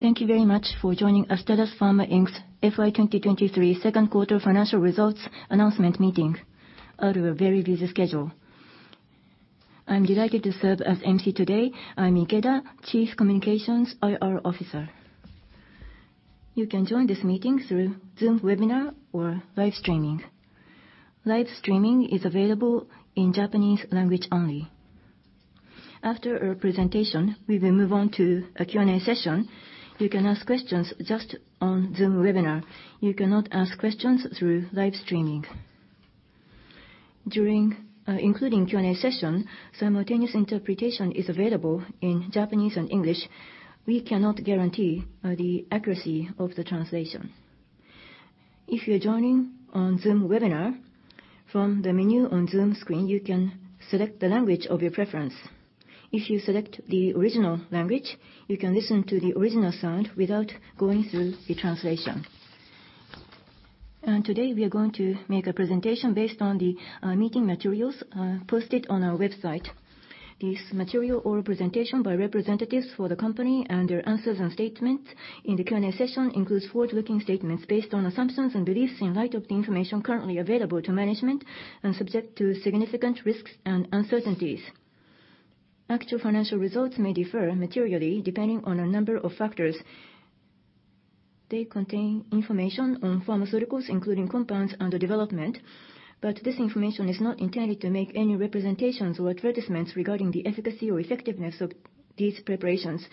Thank you very much for joining Astellas Pharma Inc.'s FY 2023 second quarter financial results announcement meeting out of a very busy schedule. I'm delighted to serve as emcee today. I'm Ikeda, Chief Communications IR Officer. You can join this meeting through Zoom webinar or live streaming. Live streaming is available in Japanese language only. After our presentation, we will move on to a Q&A session. You can ask questions just on Zoom webinar. You cannot ask questions through live streaming. During, including Q&A session, simultaneous interpretation is available in Japanese and English. We cannot guarantee the accuracy of the translation. If you're joining on Zoom webinar, from the menu on Zoom screen, you can select the language of your preference. If you select the original language, you can listen to the original sound without going through the translation. Today, we are going to make a presentation based on the meeting materials posted on our website. This material or presentation by representatives for the company and their answers and statements in the Q&A session includes forward-looking statements based on assumptions and beliefs in light of the information currently available to management and subject to significant risks and uncertainties. Actual financial results may differ materially depending on a number of factors. They contain information on pharmaceuticals, including compounds under development, but this information is not intended to make any representations or advertisements regarding the efficacy or effectiveness of these preparations.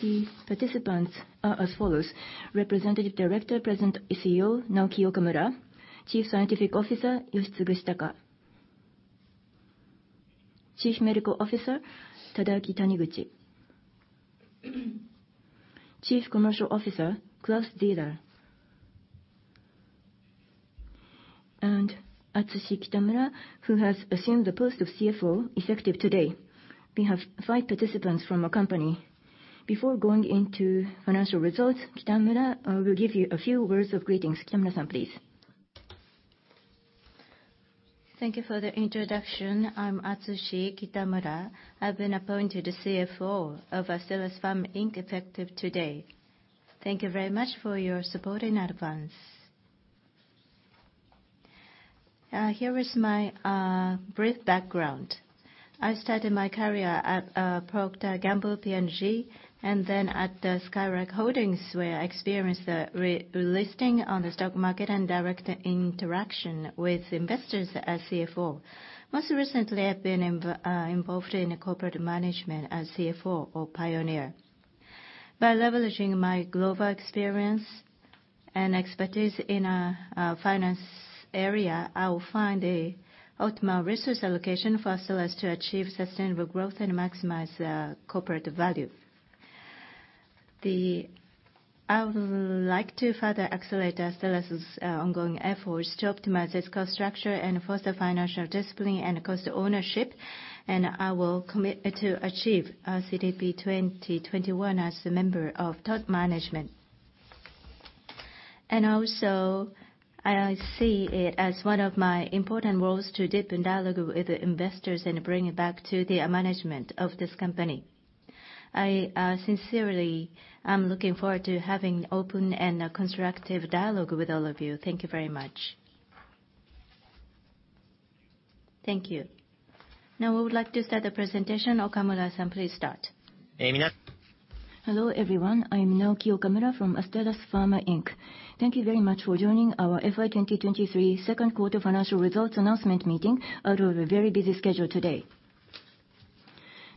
The participants are as follows: Representative Director, President and CEO Naoki Okamura; Chief Scientific Officer Yoshitsugu Shitaka; Chief Medical Officer Tadaaki Taniguchi; Chief Commercial Officer Claus Zieler; and Atsushi Kitamura, who has assumed the post of CFO effective today. We have five participants from our company. Before going into financial results, Kitamura will give you a few words of greetings. Kitamura-san, please. Thank you for the introduction. I'm Atsushi Kitamura. I've been appointed the CFO of Astellas Pharma Inc., effective today. Thank you very much for your support in advance. Here is my brief background. I started my career at Procter & Gamble, P&G, and then at the Skylark Holdings, where I experienced the relisting on the stock market and direct interaction with investors as CFO. Most recently, I've been involved in the corporate management as CFO of Pioneer. By leveraging my global experience and expertise in the finance area, I will find a optimal resource allocation for Astellas to achieve sustainable growth and maximize the corporate value. I would like to further accelerate Astellas's ongoing efforts to optimize its cost structure and foster financial discipline and cost ownership, and I will commit to achieve our CSP 2021 as a member of top management. Also, I see it as one of my important roles to deepen dialogue with the investors and bring it back to the management of this company. I sincerely am looking forward to having open and constructive dialogue with all of you. Thank you very much. Thank you. Now, we would like to start the presentation. Okamura-san, please start. Hello, everyone. I'm Naoki Okamura from Astellas Pharma Inc. Thank you very much for joining our FY 2023 second quarter financial results announcement meeting out of a very busy schedule today.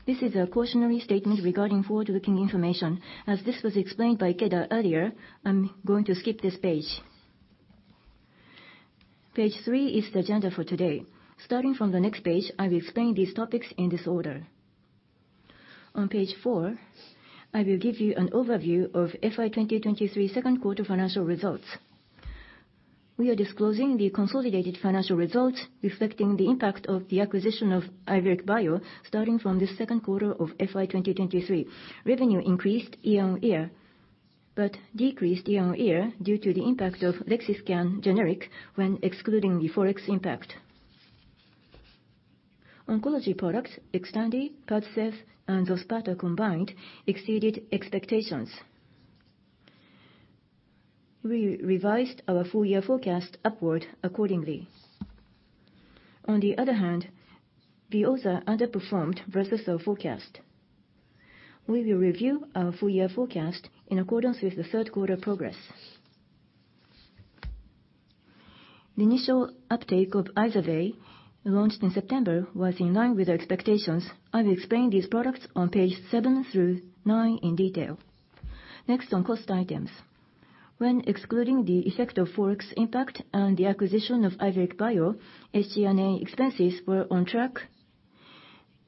This is a cautionary statement regarding forward-looking information. As this was explained by Ikeda earlier, I'm going to skip this page. Page 3 is the agenda for today. Starting from the next page, I will explain these topics in this order. On Page 4, I will give you an overview of FY 2023 second quarter financial results. We are disclosing the consolidated financial results, reflecting the impact of the acquisition of Iveric Bio, starting from the second quarter of FY 2023. Revenue increased year-on-year, but decreased year-on-year due to the impact of Lexiscan generic when excluding the Forex impact. Oncology products, XTANDI, PADCEV, and XOSPATA combined exceeded expectations. We revised our full-year forecast upward accordingly. On the other hand, the other underperformed versus our forecast. We will review our full-year forecast in accordance with the third quarter progress. The initial uptake of IZERVAY, launched in September, was in line with our expectations. I will explain these products on Page 7 through 9 in detail. Next, on cost items. When excluding the effect of Forex impact and the acquisition of Iveric Bio, SG&A expenses were on track,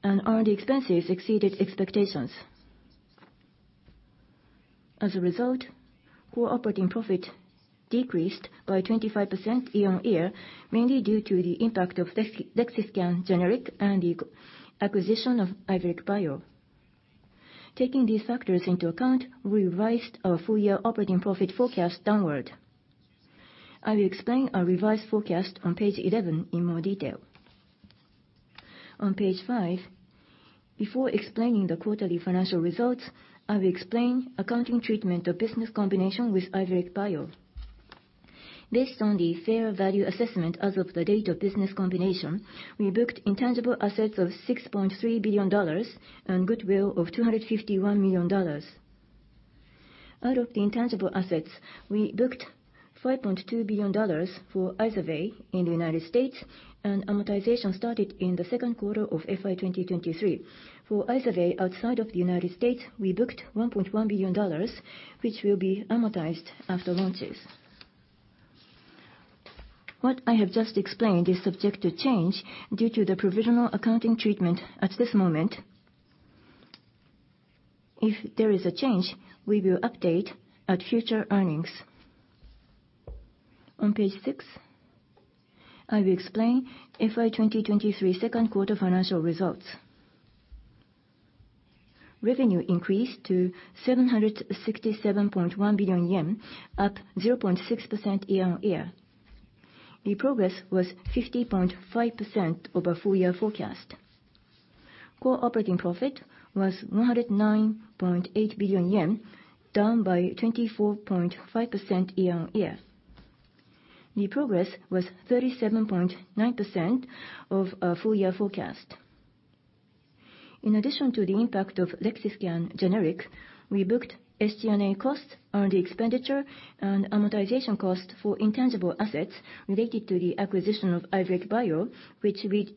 and R&D expenses exceeded expectations. As a result, core operating profit decreased by 25% year-over-year, mainly due to the impact of Lexiscan generic and the acquisition of Iveric Bio. Taking these factors into account, we revised our full-year operating profit forecast downward. I will explain our revised forecast on Page 11 in more detail.... On Page 5, before explaining the quarterly financial results, I will explain accounting treatment of business combination with Iveric Bio. Based on the fair value assessment as of the date of business combination, we booked intangible assets of $6.3 billion and goodwill of $251 million. Out of the intangible assets, we booked $5.2 billion for Iveric in the United States, and amortization started in the second quarter of FY 2023. For Iveric outside of the United States, we booked $1.1 billion, which will be amortized after launches. What I have just explained is subject to change due to the provisional accounting treatment at this moment. If there is a change, we will update at future earnings. On Page 6, I will explain FY 2023 second quarter financial results. Revenue increased to 767.1 billion yen, up 0.6% year-on-year. The progress was 50.5% of our full year forecast. Core operating profit was 109.8 billion yen, down by 24.5% year-on-year. The progress was 37.9% of our full year forecast. In addition to the impact of Lexiscan generic, we booked SG&A costs on the expenditure and amortization cost for intangible assets related to the acquisition of Iveric Bio, which we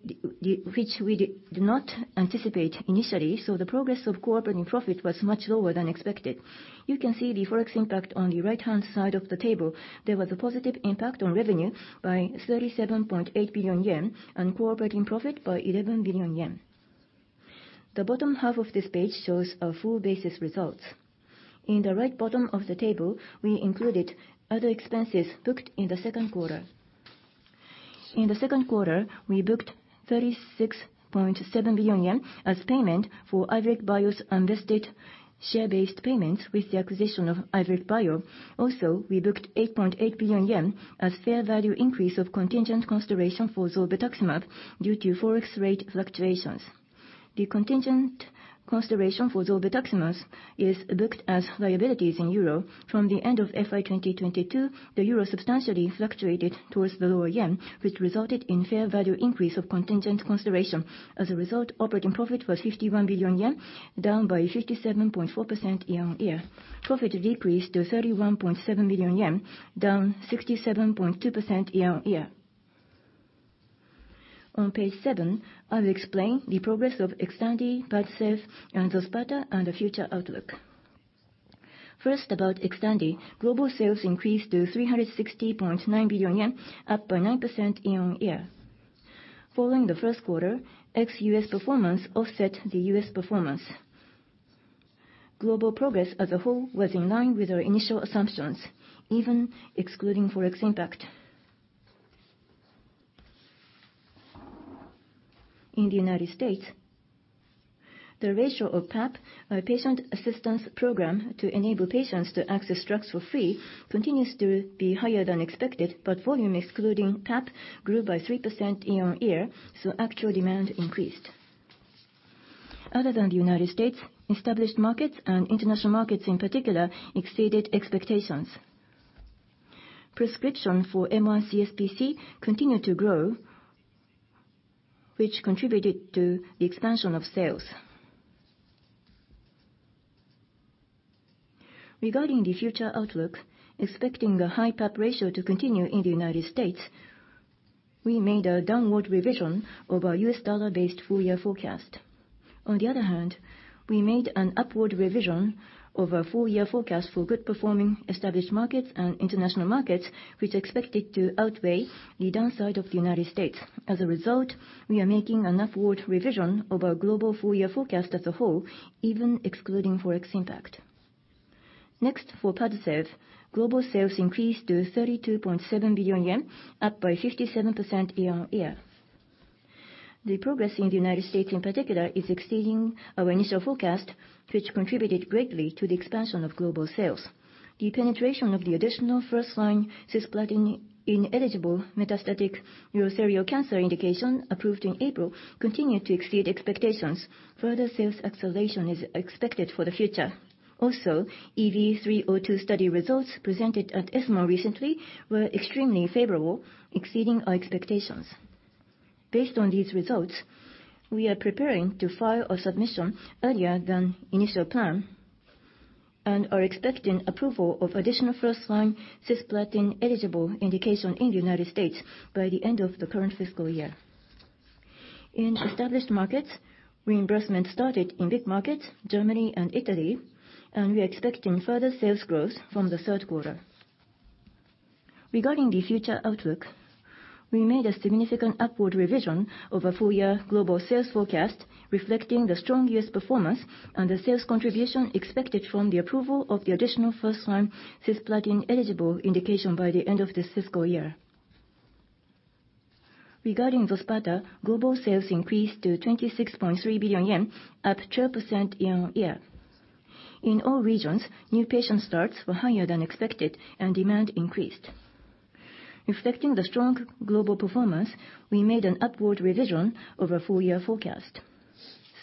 did not anticipate initially, so the progress of core operating profit was much lower than expected. You can see the Forex impact on the right-hand side of the table. There was a positive impact on revenue by 37.8 billion yen and core operating profit by 11 billion yen. The bottom half of this page shows our full basis results. In the right bottom of the table, we included other expenses booked in the second quarter. In the second quarter, we booked 36.7 billion yen as payment for Iveric Bio's unvested share-based payments with the acquisition of Iveric Bio. Also, we booked 8.8 billion yen as fair value increase of contingent consideration for zolbetuximab due to Forex rate fluctuations. The contingent consideration for zolbetuximab is booked as liabilities in euro. From the end of FY 2022, the euro substantially fluctuated towards the lower yen, which resulted in fair value increase of contingent consideration. As a result, operating profit was 51 billion yen, down by 57.4% year-on-year. Profit decreased to 31.7 billion yen, down 67.2% year-on-year. On Page 7, I will explain the progress of XTANDI, PADCEV, and XOSPATA, and the future outlook. First, about XTANDI, global sales increased to 360.9 billion yen, up by 9% year-on-year. Following the first quarter, ex-US performance offset the US performance. Global progress as a whole was in line with our initial assumptions, even excluding Forex impact. In the United States, the ratio of PAP, or Patient Assistance Program, to enable patients to access drugs for free, continues to be higher than expected, but volume excluding PAP grew by 3% year-on-year, so actual demand increased. Other than the United States, established markets and international markets in particular exceeded expectations. Prescription for mCSPC continued to grow, which contributed to the expansion of sales. Regarding the future outlook, expecting a high PAP ratio to continue in the United States, we made a downward revision of our U.S. dollar-based full-year forecast. On the other hand, we made an upward revision of our full-year forecast for good performing established markets and international markets, which are expected to outweigh the downside of the United States. As a result, we are making an upward revision of our global full-year forecast as a whole, even excluding Forex impact. Next, for PADCEV, global sales increased to 32.7 billion yen, up by 57% year-on-year. The progress in the United States in particular is exceeding our initial forecast, which contributed greatly to the expansion of global sales. The penetration of the additional first-line cisplatin-ineligible metastatic urothelial cancer indication, approved in April, continued to exceed expectations. Further sales acceleration is expected for the future. Also, EV-302 study results presented at ESMO recently were extremely favorable, exceeding our expectations. Based on these results, we are preparing to file a submission earlier than initial plan and are expecting approval of additional first-line cisplatin-eligible indication in the United States by the end of the current fiscal year. In established markets, reimbursement started in big markets, Germany and Italy, and we are expecting further sales growth from the third quarter. Regarding the future outlook, we made a significant upward revision of our full-year global sales forecast, reflecting the strong US performance and the sales contribution expected from the approval of the additional first-line cisplatin-eligible indication by the end of this fiscal year. Regarding XOSPATA, global sales increased to 26.3 billion yen, up 12% year-on-year. In all regions, new patient starts were higher than expected, and demand increased. Reflecting the strong global performance, we made an upward revision of our full-year forecast.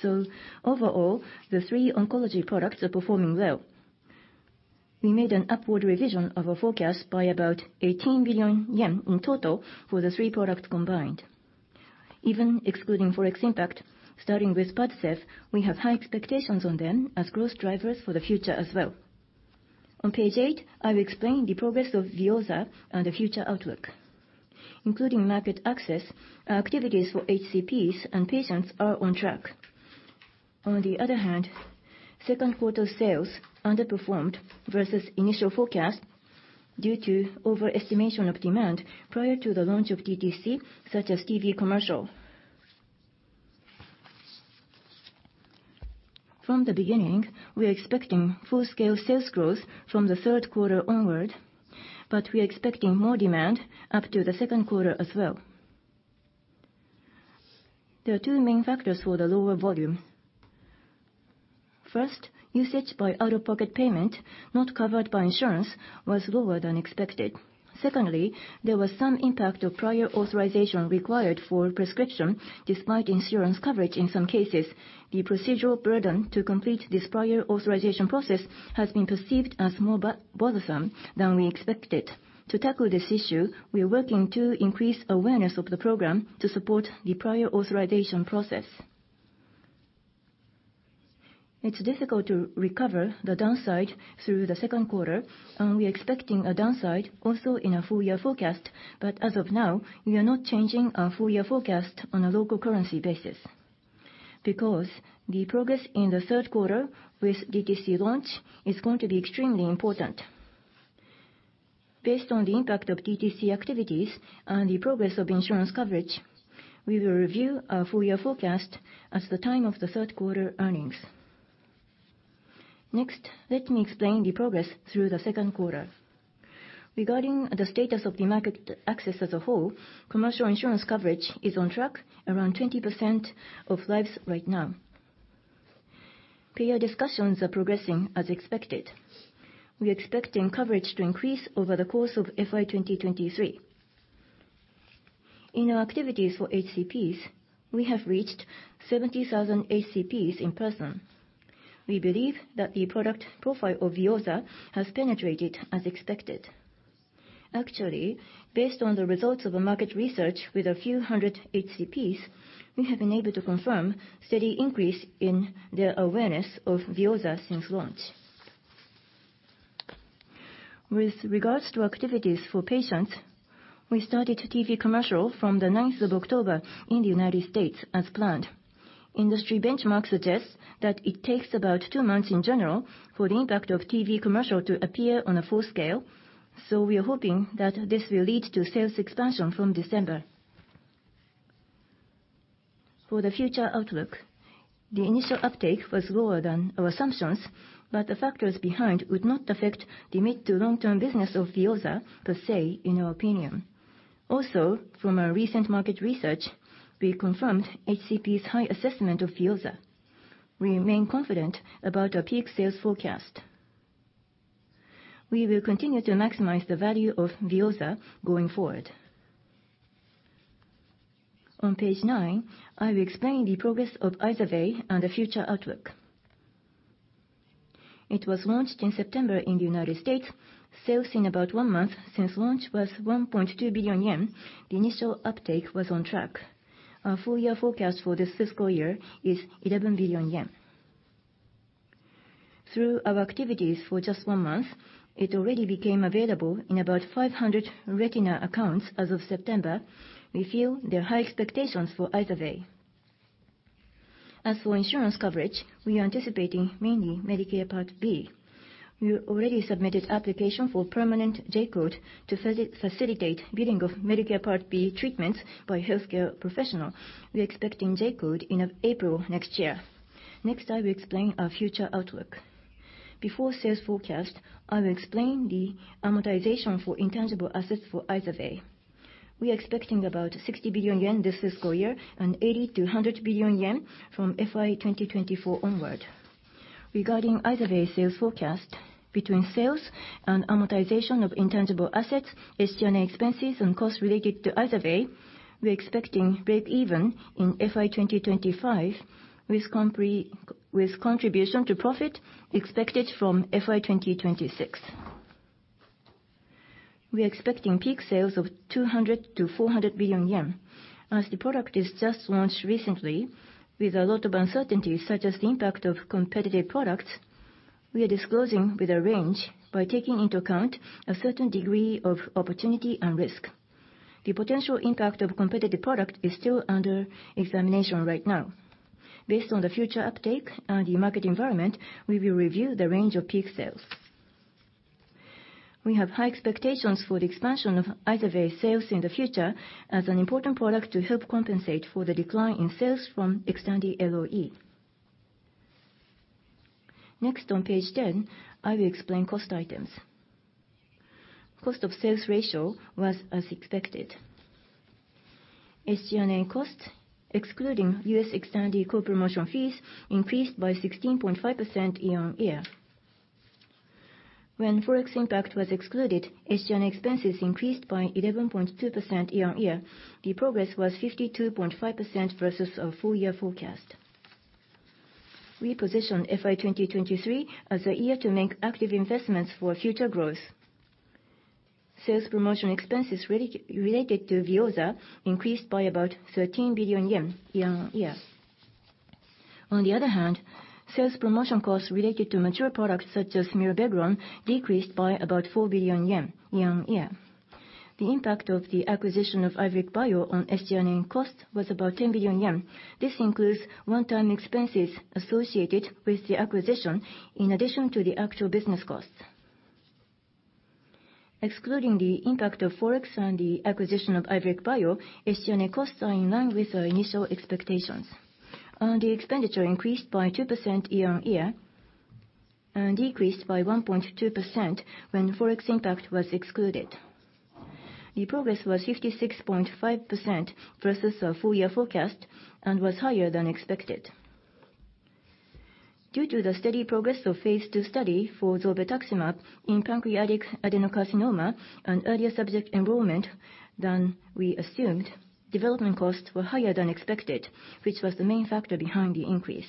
So overall, the three oncology products are performing well. We made an upward revision of our forecast by about 18 billion yen in total for the three products combined. Even excluding Forex impact, starting with PADCEV, we have high expectations on them as growth drivers for the future as well. On Page 8, I will explain the progress of VEOZAH and the future outlook. Including market access, our activities for HCPs and patients are on track. On the other hand, second quarter sales underperformed versus initial forecast due to overestimation of demand prior to the launch of DTC, such as TV commercial. From the beginning, we are expecting full-scale sales growth from the third quarter onward, but we are expecting more demand up to the second quarter as well. There are two main factors for the lower volume. First, usage by out-of-pocket payment not covered by insurance was lower than expected. Secondly, there was some impact of prior authorization required for prescription, despite insurance coverage in some cases. The procedural burden to complete this prior authorization process has been perceived as more bothersome than we expected. To tackle this issue, we are working to increase awareness of the program to support the prior authorization process. It's difficult to recover the downside through the second quarter, and we are expecting a downside also in our full-year forecast. But as of now, we are not changing our full-year forecast on a local currency basis, because the progress in the third quarter with DTC launch is going to be extremely important. Based on the impact of DTC activities and the progress of insurance coverage, we will review our full-year forecast at the time of the third quarter earnings. Next, let me explain the progress through the second quarter. Regarding the status of the market access as a whole, commercial insurance coverage is on track, around 20% of lives right now. Peer discussions are progressing as expected. We are expecting coverage to increase over the course of FY 2023. In our activities for HCPs, we have reached 70,000 HCPs in person. We believe that the product profile of VEOZAH has penetrated as expected. Actually, based on the results of the market research with a few hundred HCPs, we have been able to confirm steady increase in their awareness of VEOZAH since launch. With regards to activities for patients, we started TV commercial from the ninth of October in the United States as planned. Industry benchmark suggests that it takes about two months in general for the impact of TV commercial to appear on a full scale, so we are hoping that this will lead to sales expansion from December. For the future outlook, the initial uptake was lower than our assumptions, but the factors behind would not affect the mid to long-term business of VEOZAH per se, in our opinion. Also, from our recent market research, we confirmed HCPs' high assessment of VEOZAH. We remain confident about our peak sales forecast. We will continue to maximize the value of VEOZAH going forward. On page nine, I will explain the progress of IZERVAY and the future outlook. It was launched in September in the United States. Sales in about one month since launch was 1.2 billion yen. The initial uptake was on track. Our full-year forecast for this fiscal year is 11 billion yen. Through our activities for just one month, it already became available in about 500 retina accounts as of September. We feel there are high expectations for IZERVAY. As for insurance coverage, we are anticipating mainly Medicare Part B. We already submitted application for permanent J-code to facilitate billing of Medicare Part B treatments by healthcare professional. We are expecting J-code in April next year. Next, I will explain our future outlook. Before sales forecast, I will explain the amortization for intangible assets for IZERVAY. We are expecting about 60 billion yen this fiscal year and 80 billion-100 billion yen from FY 2024 onward. Regarding IZERVAY sales forecast, between sales and amortization of intangible assets, SG&A expenses and costs related to IZERVAY, we are expecting breakeven in FY 2025, with contribution to profit expected from FY 2026. We are expecting peak sales of 200 billion-400 billion yen. As the product is just launched recently, with a lot of uncertainties, such as the impact of competitive products, we are disclosing with a range by taking into account a certain degree of opportunity and risk. The potential impact of competitive product is still under examination right now. Based on the future uptake and the market environment, we will review the range of peak sales. We have high expectations for the expansion of IZERVAY sales in the future as an important product to help compensate for the decline in sales from XTANDI LOE. Next, on Page 10, I will explain cost items. Cost of sales ratio was as expected.... SG&A costs, excluding US XTANDI co-promotion fees, increased by 16.5% year-on-year. When Forex impact was excluded, SG&A expenses increased by 11.2% year-on-year. The progress was 52.5% versus our full year forecast. We positioned FY 2023 as a year to make active investments for future growth. Sales promotion expenses related to VEOZAH increased by about 13 billion yen year-on-year. On the other hand, sales promotion costs related to mature products, such as Myrbetriq, decreased by about 4 billion yen year-on-year. The impact of the acquisition of Iveric Bio on SG&A costs was about 10 billion yen. This includes one-time expenses associated with the acquisition in addition to the actual business costs. Excluding the impact of Forex and the acquisition of Iveric Bio, SG&A costs are in line with our initial expectations. R&D expenditure increased by 2% year-on-year and decreased by 1.2% when Forex impact was excluded. The progress was 56.5% versus our full year forecast and was higher than expected. Due to the steady progress of phase II study for zolbetuximab in pancreatic adenocarcinoma and earlier subject enrollment than we assumed, development costs were higher than expected, which was the main factor behind the increase.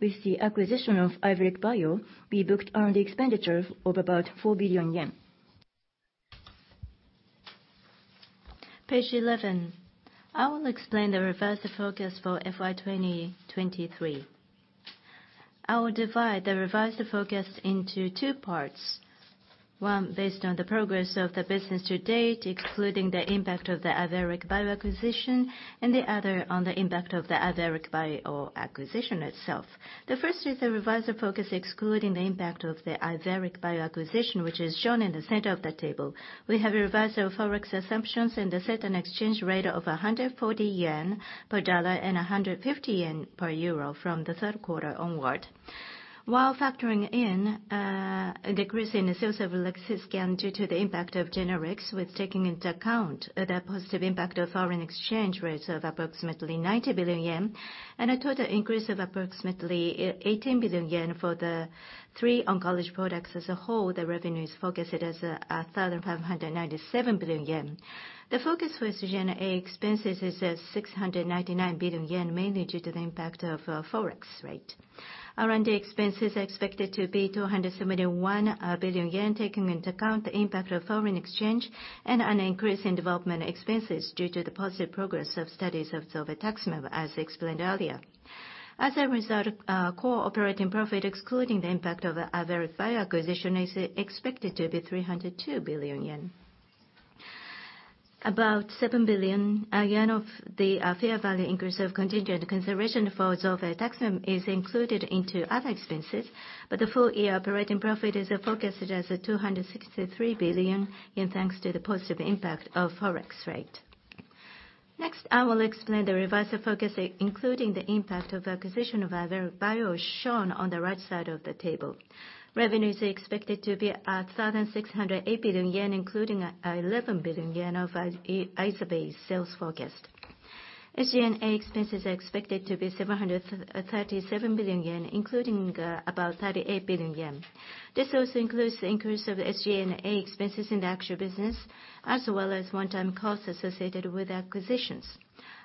With the acquisition of Iveric Bio, we booked R&D expenditure of about 4 billion yen. Page 11. I will explain the revised forecast for FY 2023. I will divide the revised forecast into two parts. One, based on the progress of the business to date, excluding the impact of the Iveric Bio acquisition, and the other on the impact of the Iveric Bio acquisition itself. The first is the revised forecast, excluding the impact of the Iveric Bio acquisition, which is shown in the center of the table. We have revised our Forex assumptions and set an exchange rate of 140 yen per USD and 150 JPY per EUR from the third quarter onward. While factoring in a decrease in the sales of Lexiscan due to the impact of generics, with taking into account the positive impact of foreign exchange rates of approximately 90 billion yen and a total increase of approximately eighteen billion yen for the three oncology products as a whole, the revenue is forecasted as 1,597 billion yen. The focus for SG&A expenses is at 699 billion yen, mainly due to the impact of Forex rate. R&D expenses are expected to be 271 billion yen, taking into account the impact of foreign exchange and an increase in development expenses due to the positive progress of studies of zolbetuximab, as explained earlier. As a result, core operating profit, excluding the impact of Iveric Bio acquisition, is expected to be 302 billion yen. About 7 billion yen of the fair value increase of contingent consideration for zolbetuximab is included into other expenses, but the full year operating profit is forecasted as 263 billion, in thanks to the positive impact of Forex rate. Next, I will explain the revised forecast, including the impact of the acquisition of Iveric Bio, shown on the right side of the table. Revenues are expected to be 1,608 billion yen, including eleven billion yen of IZERVAY's sales forecast. SG&A expenses are expected to be seven hundred thirty-seven billion yen, including about thirty-eight billion yen. This also includes the increase of SG&A expenses in the actual business, as well as one-time costs associated with acquisitions.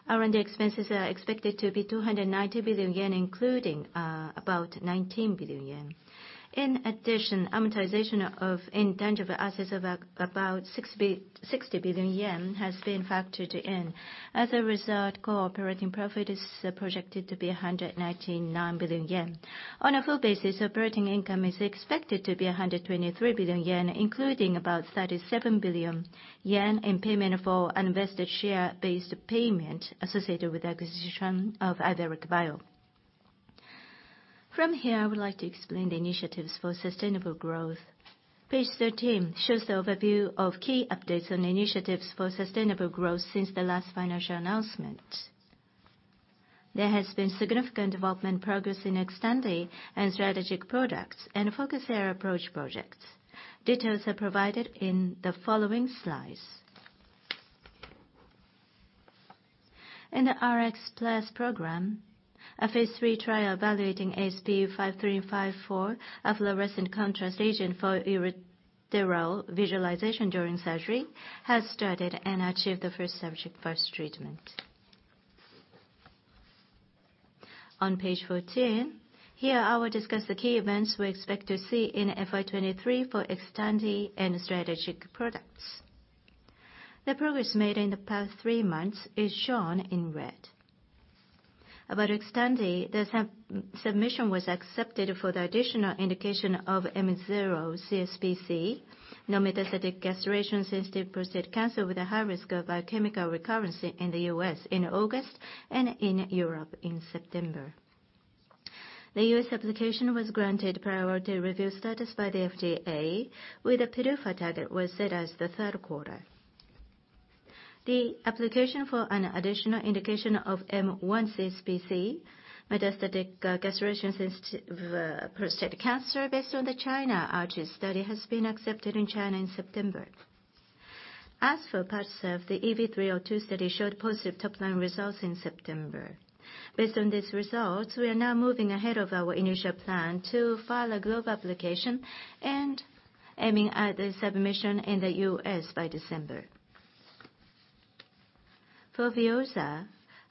R&D expenses are expected to be two hundred and ninety billion yen, including about nineteen billion yen. In addition, amortization of intangible assets of about sixty billion yen has been factored in. As a result, core operating profit is projected to be a hundred and ninety-nine billion yen. On a full basis, operating income is expected to be a hundred and twenty-three billion yen, including about thirty-seven billion yen in payment for unvested share-based payment associated with the acquisition of Iveric Bio. From here, I would like to explain the initiatives for sustainable growth. Page 13 shows the overview of key updates on initiatives for sustainable growth since the last financial announcement. There has been significant development progress in XTANDI and strategic products and Focus Area Approach projects. Details are provided in the following slides. In the Rx+ program, a phase III trial evaluating ASP5354, a fluorescent contrast agent for urothelial visualization during surgery, has started and achieved the first subject first treatment. On Page 14, here, I will discuss the key events we expect to see in FY 2023 for XTANDI and strategic products. The progress made in the past three months is shown in red. About XTANDI, the sNDA submission was accepted for the additional indication of M0 CSPC, non-metastatic castration-sensitive prostate cancer with a high risk of biochemical recurrence in the US in August and in Europe in September. The US application was granted priority review status by the FDA, with a PDUFA target date set as the third quarter. The application for an additional indication of M1 CSPC, metastatic, castration-sensitive, prostate cancer based on the China ARCHES study, has been accepted in China in September. As for PADCEV, the EV-302 study showed positive top line results in September. Based on these results, we are now moving ahead of our initial plan to file a global application and aiming at the submission in the US by December. For VEOZAH,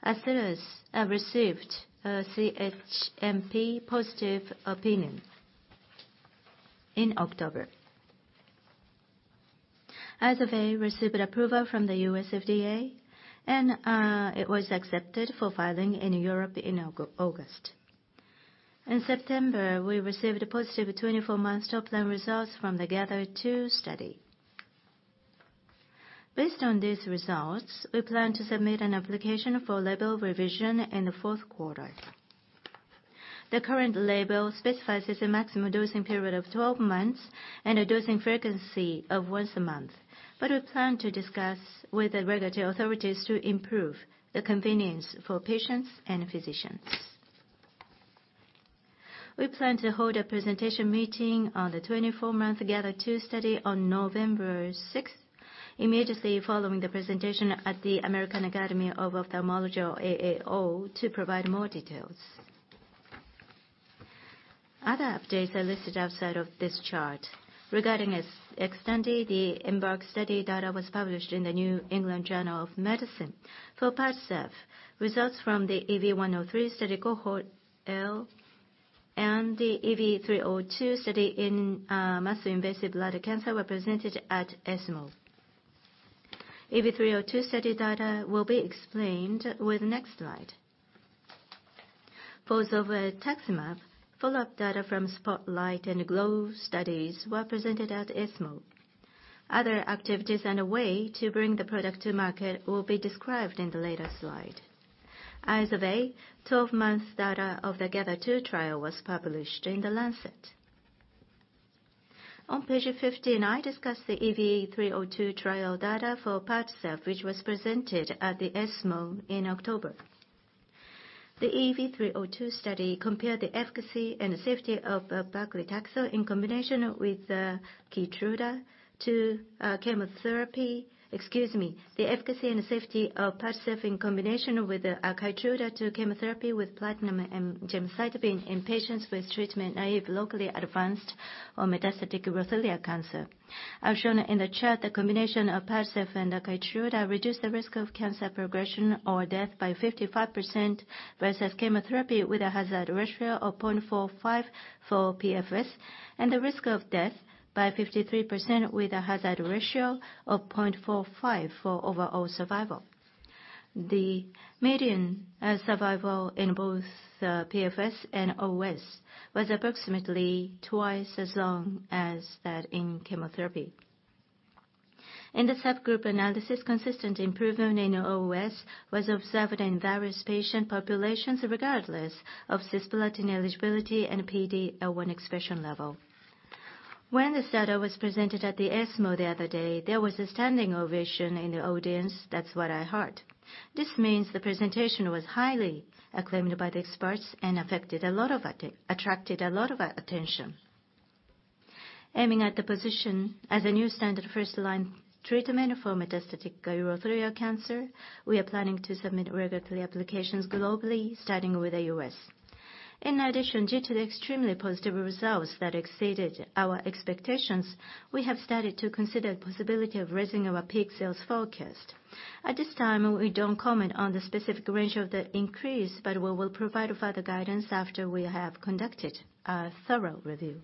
Astellas received a CHMP positive opinion in October. As of May, received approval from the U.S. FDA, and it was accepted for filing in Europe in August. In September, we received a positive 24-month top line results from the GATHER2 study. Based on these results, we plan to submit an application for label revision in the fourth quarter. The current label specifies as a maximum dosing period of 12 months and a dosing frequency of once a month. But we plan to discuss with the regulatory authorities to improve the convenience for patients and physicians. We plan to hold a presentation meeting on the 24-month GATHER2 study on November 6th, immediately following the presentation at the American Academy of Ophthalmology, AAO, to provide more details. Other updates are listed outside of this chart. Regarding XTANDI, the EMBARK study data was published in the New England Journal of Medicine. For PADCEV, results from the EV-103 study cohort L and the EV-302 study in muscle-invasive bladder cancer were presented at ESMO. EV-302 study data will be explained with next slide. For Vyloy, follow-up data from SPOTLIGHT and GLOW studies were presented at ESMO. Other activities and a way to bring the product to market will be described in the later slide. As of May, 12 months data of the GATHER2 trial was published in The Lancet. On Page 15, I discussed the EV-302 trial data for PADCEV, which was presented at the ESMO in October. The EV-302 study compared the efficacy and safety of paclitaxel in combination with Keytruda to chemotherapy. Excuse me, the efficacy and safety of PADCEV in combination with Keytruda to chemotherapy with platinum and gemcitabine in patients with treatment-naive, locally advanced or metastatic urothelial cancer. As shown in the chart, the combination of PADCEV and Keytruda reduced the risk of cancer progression or death by 55% versus chemotherapy, with a hazard ratio of 0.45 for PFS, and the risk of death by 53%, with a hazard ratio of 0.45 for overall survival. The median survival in both PFS and OS was approximately twice as long as that in chemotherapy. In the subgroup analysis, consistent improvement in OS was observed in various patient populations, regardless of cisplatin eligibility and PD-L1 expression level. When this data was presented at the ESMO the other day, there was a standing ovation in the audience. That's what I heard. This means the presentation was highly acclaimed by the experts and attracted a lot of attention. Aiming at the position as a new standard first-line treatment for metastatic urothelial cancer, we are planning to submit regulatory applications globally, starting with the U.S. In addition, due to the extremely positive results that exceeded our expectations, we have started to consider the possibility of raising our peak sales forecast. At this time, we don't comment on the specific range of the increase, but we will provide further guidance after we have conducted a thorough review.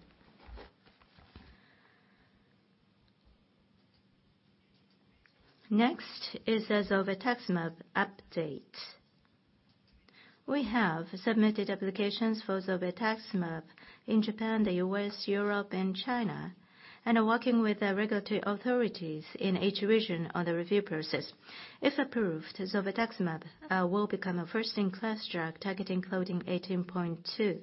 Next is the zolbetuximab update. We have submitted applications for zolbetuximab in Japan, the U.S., Europe, and China, and are working with the regulatory authorities in each region on the review process. If approved, zolbetuximab will become a first-in-class drug targeting Claudin 18.2.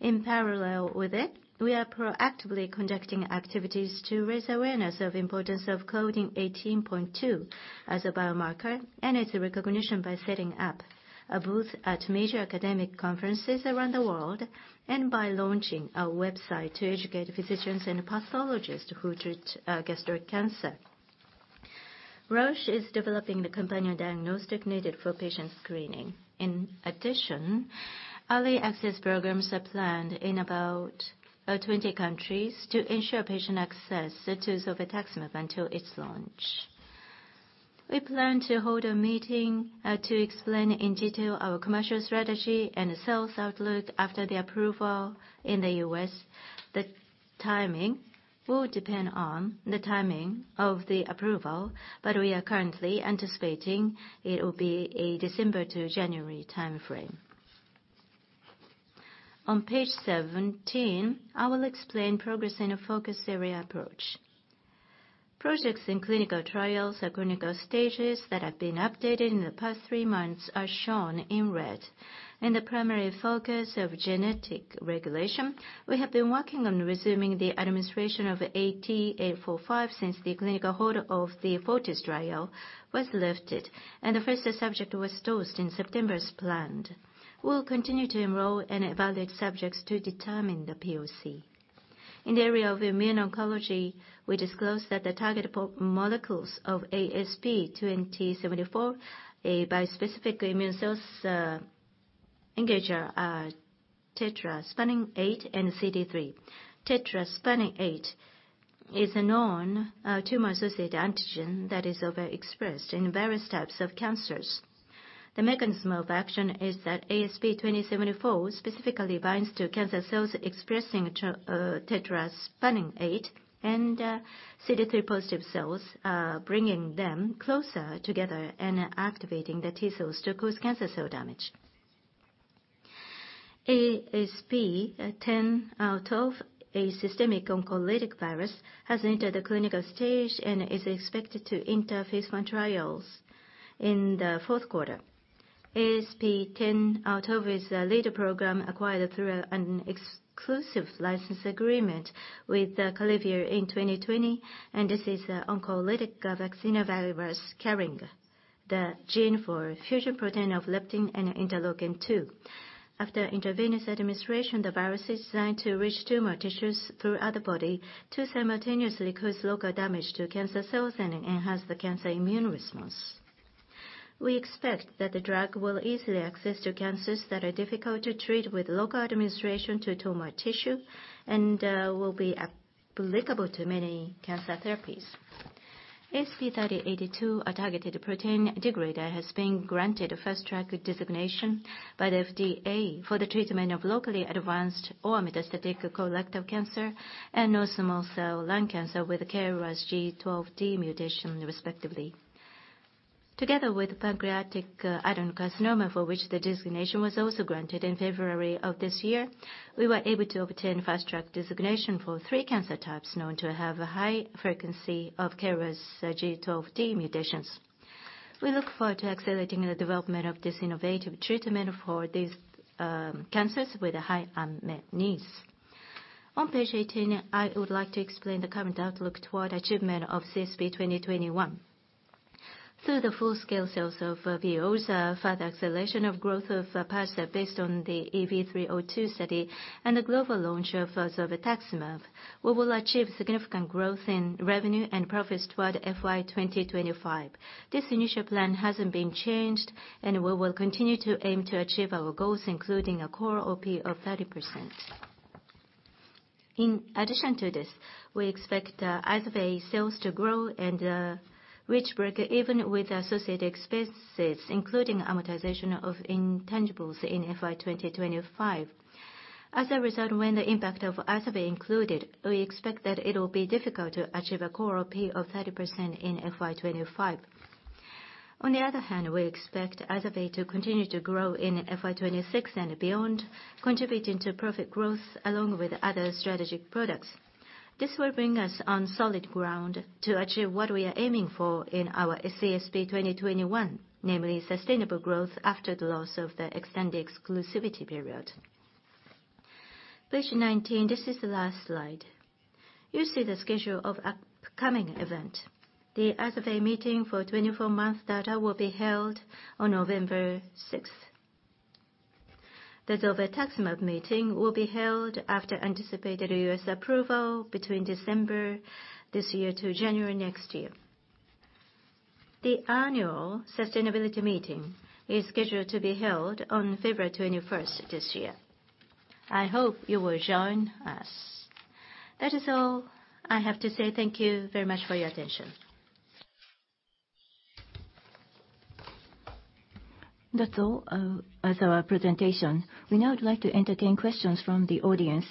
In parallel with it, we are proactively conducting activities to raise awareness of importance of Claudin 18.2 as a biomarker, and its recognition by setting up a booth at major academic conferences around the world, and by launching a website to educate physicians and pathologists who treat gastric cancer. Roche is developing the companion diagnostic needed for patient screening. In addition, early access programs are planned in about 20 countries to ensure patient access to Vyloy until its launch. We plan to hold a meeting to explain in detail our commercial strategy and sales outlook after the approval in the U.S. The timing will depend on the timing of the approval, but we are currently anticipating it will be a December to January timeframe. On Page 17, I will explain progress in a Focus Area Approach. Projects in clinical trials or clinical stages that have been updated in the past three months are shown in red. In the primary focus of genetic regulation, we have been working on resuming the administration of AT845 since the clinical hold of the FORTIS trial was lifted, and the first subject was dosed in September as planned. We will continue to enroll and evaluate subjects to determine the POC. In the area of immuno-oncology, we disclosed that the targetable molecules of ASP2074, a bispecific immune cells engager, tetraspanin-8 and CD3. Tetraspanin-8 is a known tumor-associated antigen that is overexpressed in various types of cancers. The mechanism of action is that ASP2074 specifically binds to cancer cells expressing tetraspanin-8 and CD3-positive cells, bringing them closer together and activating the T-cells to cause cancer cell damage. ASP1012, a systemic oncolytic virus, has entered the clinical stage and is expected to enter phase I trials in the fourth quarter. ASP1012 is a leader program acquired through an exclusive license agreement with Calidi Biotherapeutics in 2020, and this is an oncolytic vaccinia virus carrying the gene for fusion protein of leptin and interleukin-2. After intravenous administration, the virus is designed to reach tumor tissues throughout the body to simultaneously cause local damage to cancer cells and enhance the cancer immune response. We expect that the drug will easily access to cancers that are difficult to treat with local administration to tumor tissue and will be applicable to many cancer therapies. ASP3082, a targeted protein degrader, has been granted a Fast Track designation by the FDA for the treatment of locally advanced or metastatic colorectal cancer and also small cell lung cancer with the KRAS G12D mutation, respectively. Together with pancreatic adenocarcinoma, for which the designation was also granted in February of this year, we were able to obtain Fast Track designation for three cancer types known to have a high frequency of KRAS G12D mutations. We look forward to accelerating the development of this innovative treatment for these cancers with a high unmet needs. On Page 18, I would like to explain the current outlook toward achievement of CSP 2021. Through the full-scale sales of VEOZAH, further acceleration of growth of PADCEV based on the EV-302 study, and the global launch of zolbetuximab, we will achieve significant growth in revenue and profits toward FY 2025. This initial plan hasn't been changed, and we will continue to aim to achieve our goals, including a core OP of 30%. In addition to this, we expect IZERVAY sales to grow and reach break even with associated expenses, including amortization of intangibles in FY 2025. As a result, when the impact of IZERVAY included, we expect that it'll be difficult to achieve a core OP of 30% in FY 2025. On the other hand, we expect IZERVAY to continue to grow in FY 2026 and beyond, contributing to profit growth along with other strategic products. This will bring us on solid ground to achieve what we are aiming for in our CSP 2021, namely sustainable growth after the loss of the extended exclusivity period. Page 19, this is the last slide. You see the schedule of upcoming event. The IZERVAY meeting for 24-month data will be held on November 6th. The zolbetuximab meeting will be held after anticipated US approval between December this year to January next year. The annual sustainability meeting is scheduled to be held on February 21st this year. I hope you will join us. That is all I have to say. Thank you very much for your attention. That's all as our presentation. We now would like to entertain questions from the audience.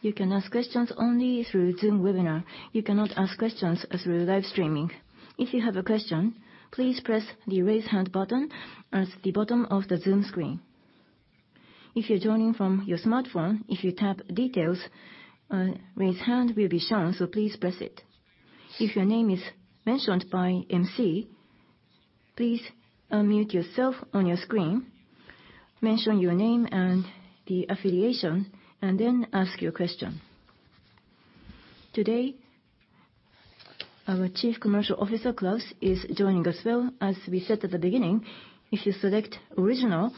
You can ask questions only through Zoom Webinar. You cannot ask questions through live streaming. If you have a question, please press the Raise Hand button at the bottom of the Zoom screen. If you're joining from your smartphone, if you tap Details, Raise Hand will be shown, so please press it. If your name is mentioned by MC, please unmute yourself on your screen, mention your name and the affiliation, and then ask your question. Today, our Chief Commercial Officer, Claus, is joining as well. As we said at the beginning, if you select Original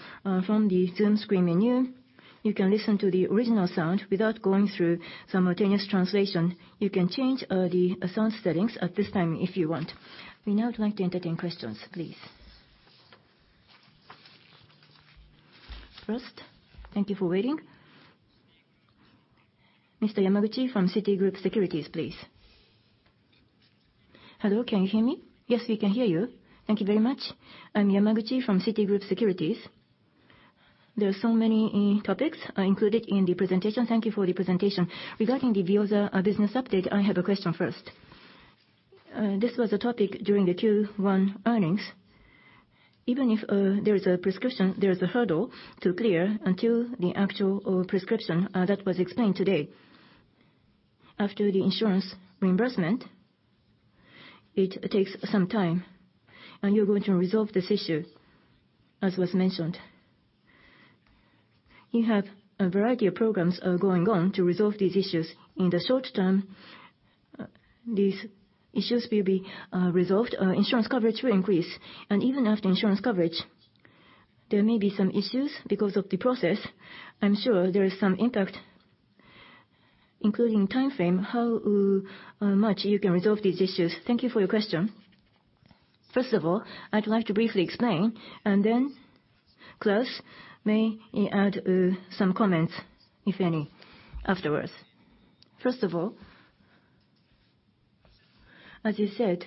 from the Zoom screen menu, you can listen to the original sound without going through simultaneous translation. You can change the sound settings at this time if you want. We now would like to entertain questions, please. First, thank you for waiting. Mr. Yamaguchi from Citigroup Securities, please. Hello, can you hear me? Yes, we can hear you. Thank you very much. I'm Yamaguchi from Citigroup Securities. There are so many topics included in the presentation. Thank you for the presentation. Regarding the VEOZAH business update, I have a question first. This was a topic during the Q1 earnings. Even if there is a prescription, there is a hurdle to clear until the actual prescription that was explained today. After the insurance reimbursement, it takes some time, and you're going to resolve this issue, as was mentioned. You have a variety of programs going on to resolve these issues. In the short term, these issues will be resolved, insurance coverage will increase, and even after insurance coverage-... There may be some issues because of the process. I'm sure there is some impact, including timeframe, how much you can resolve these issues. Thank you for your question. First of all, I'd like to briefly explain, and then Claus may add some comments, if any, afterwards. First of all, as you said,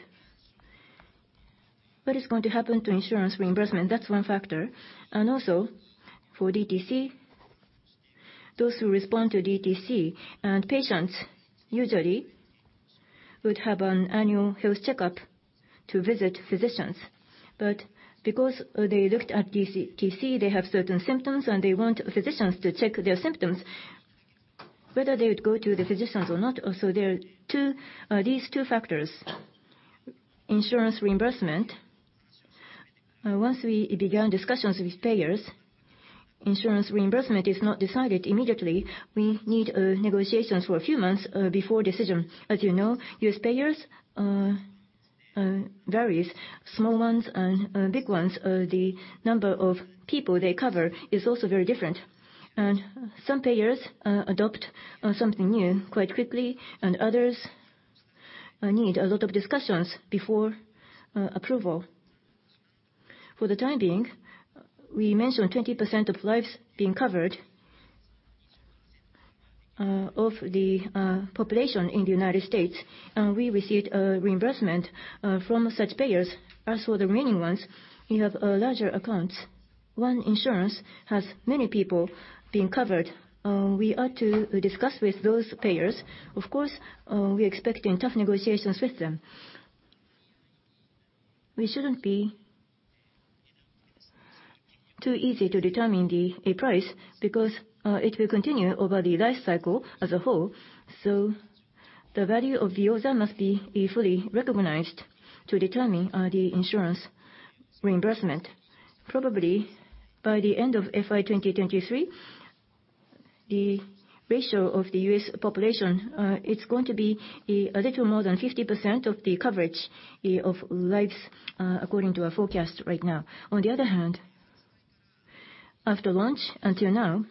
what is going to happen to insurance reimbursement? That's one factor. Also, for DTC, those who respond to DTC and patients usually would have an annual health checkup to visit physicians. But because they looked at DTC, they have certain symptoms, and they want physicians to check their symptoms, whether they would go to the physicians or not. Also, there are two, these two factors. Insurance reimbursement, once we began discussions with payers, insurance reimbursement is not decided immediately. We need negotiations for a few months before decision. As you know, U.S. payers varies. Small ones and big ones, the number of people they cover is also very different. Some payers adopt something new quite quickly, and others need a lot of discussions before approval. For the time being, we mentioned 20% of lives being covered of the population in the United States, and we received a reimbursement from such payers. As for the remaining ones, we have larger accounts. One insurance has many people being covered. We ought to discuss with those payers. Of course, we're expecting tough negotiations with them. We shouldn't be too easy to determine a price because it will continue over the life cycle as a whole. So the value of the VEOZAH must be fully recognized to determine the insurance reimbursement. Probably by the end of FY 2023, the ratio of the US population it's going to be a little more than 50% of the coverage of lives according to our forecast right now. On the other hand, after launch until now,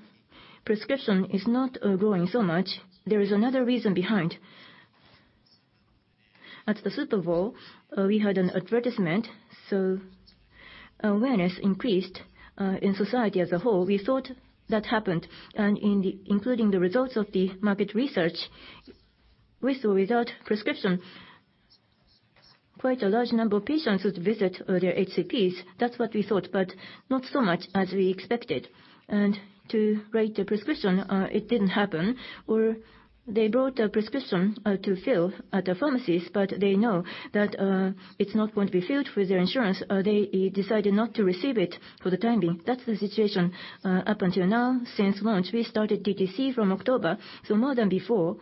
prescription is not growing so much. There is another reason behind. At the Super Bowl we had an advertisement, so awareness increased in society as a whole. We thought that happened. And including the results of the market research, with or without prescription, quite a large number of patients would visit their HCPs. That's what we thought, but not so much as we expected. To write a prescription, it didn't happen, or they brought a prescription to fill at the pharmacies, but they know that it's not going to be filled with their insurance. They decided not to receive it for the time being. That's the situation up until now. Since launch, we started DTC from October, so more than before.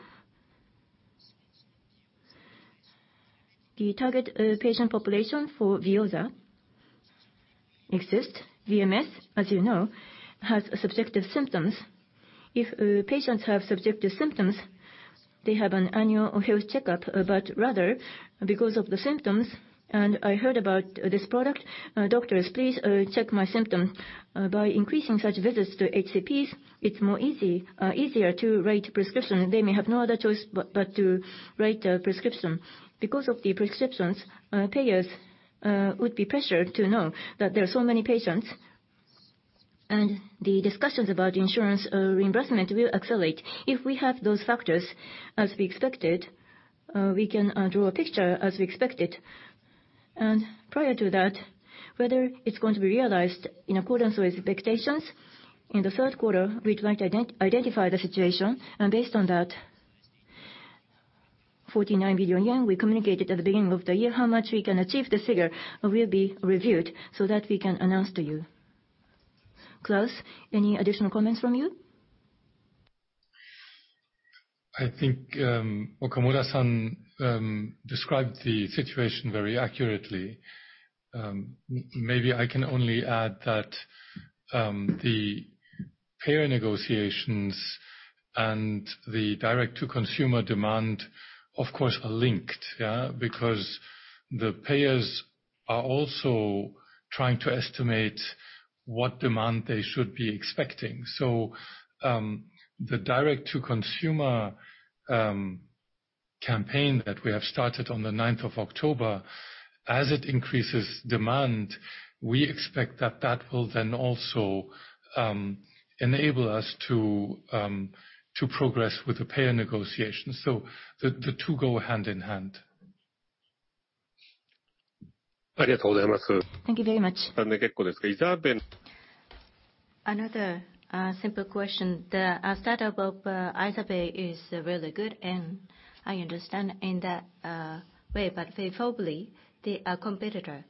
The target patient population for VEOZAH exists. VMS, as you know, has subjective symptoms. If patients have subjective symptoms, they have an annual health checkup, but rather because of the symptoms, and I heard about this product, "Doctors, please, check my symptom." By increasing such visits to HCPs, it's more easy, easier to write prescription. They may have no other choice but to write a prescription. Because of the prescriptions, payers would be pressured to know that there are so many patients, and the discussions about insurance reimbursement will accelerate. If we have those factors as we expected, we can draw a picture as we expected. And prior to that, whether it's going to be realized in accordance with expectations, in the third quarter, we'd like to identify the situation. And based on that, 49 billion yen, we communicated at the beginning of the year how much we can achieve the figure, will be reviewed so that we can announce to you. Claus, any additional comments from you? I think, Okamura-san, described the situation very accurately. Maybe I can only add that, the payer negotiations and the direct-to-consumer demand, of course, are linked, yeah, because the payers are also trying to estimate what demand they should be expecting. So, the direct-to-consumer, campaign that we have started on the ninth of October, as it increases demand, we expect that that will then also, enable us to, to progress with the payer negotiations. So the, the two go hand in hand. Thank you very much. Another simple question. The start up of IZERVAY is really good, and I understand in that way, but favorably, the competitor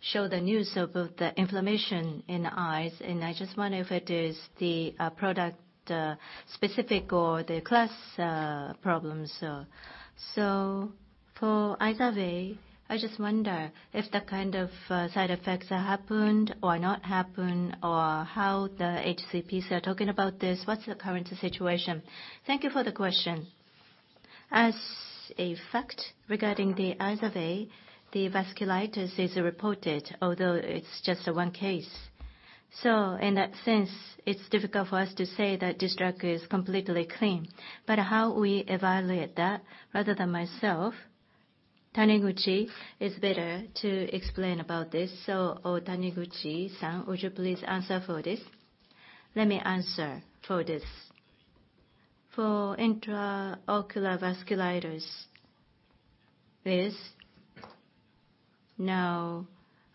show the news about the inflammation in the eyes, and I just wonder if it is the product specific or the class problems. So for IZERVAY, I just wonder if the kind of side effects happened or not happened, or how the HCPs are talking about this. What's the current situation? Thank you for the question.... As a fact, regarding the IZERVAY, the vasculitis is reported, although it's just a one case. So in that sense, it's difficult for us to say that this drug is completely clean. But how we evaluate that, rather than myself, Taniguchi is better to explain about this. So, oh, Taniguchi-san, would you please answer for this? Let me answer for this. For intraocular vasculitis, is now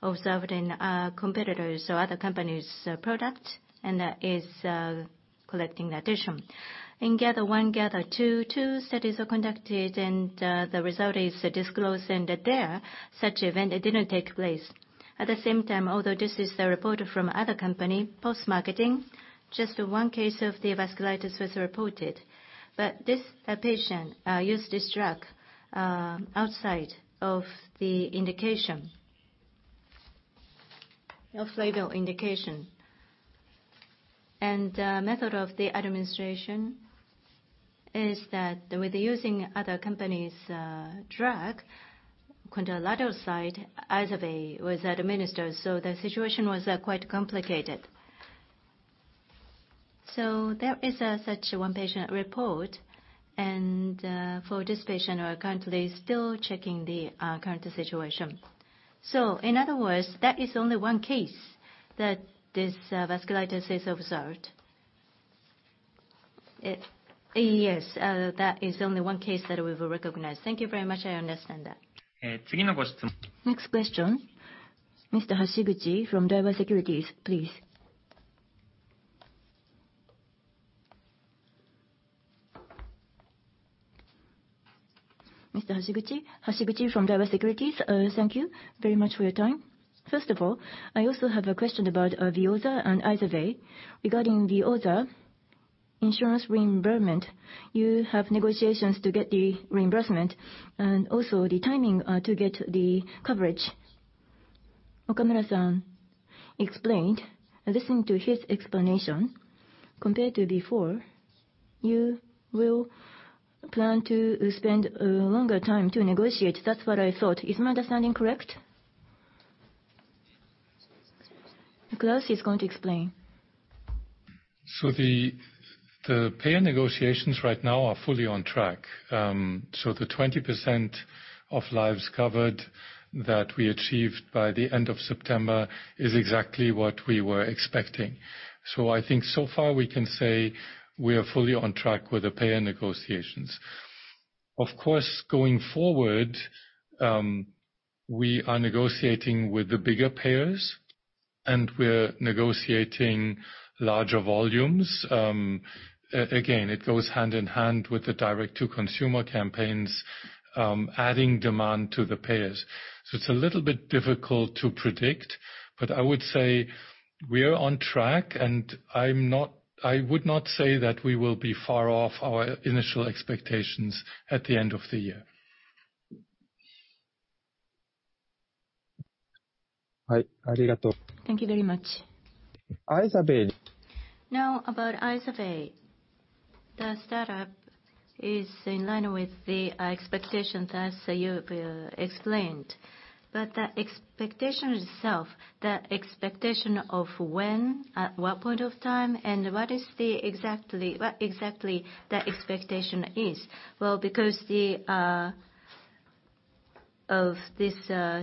observed in competitors or other companies' product, and is collecting the addition. In GATHER1, GATHER2, two studies are conducted, and the result is disclosed, and there, such event, it didn't take place. At the same time, although this is the report from other company, post-marketing, just one case of the vasculitis was reported. But this patient used this drug outside of the indication. Off-label indication. The method of the administration is that with using other company's drug, contralateral side IZERVAY was administered, so the situation was quite complicated. So there is such one patient report, and for this patient, we are currently still checking the current situation. So in other words, that is only one case that this vasculitis is observed. Yes, that is only one case that we've recognized. Thank you very much. I understand that. Next question, Mr. Hashiguchi from Daiwa Securities, please. Mr. Hashiguchi, Hashiguchi from Daiwa Securities. Thank you very much for your time. First of all, I also have a question about, VEOZAH and IZERVAY. Regarding VEOZAH insurance reimbursement, you have negotiations to get the reimbursement and also the timing, to get the coverage. Okamura-san explained, listening to his explanation, compared to before, you will plan to spend a longer time to negotiate. That's what I thought. Is my understanding correct? Claus is going to explain. So the payer negotiations right now are fully on track. So the 20% of lives covered that we achieved by the end of September is exactly what we were expecting. So I think so far, we can say we are fully on track with the payer negotiations. Of course, going forward, we are negotiating with the bigger payers, and we're negotiating larger volumes. Again, it goes hand-in-hand with the direct-to-consumer campaigns, adding demand to the payers. So it's a little bit difficult to predict, but I would say we are on track, and I would not say that we will be far off our initial expectations at the end of the year. Thank you very much. IZERVAY. Now, about IZERVAY, the startup is in line with the expectation, as you explained. But the expectation itself, the expectation of when, at what point of time, and what exactly the expectation is? Well, because of this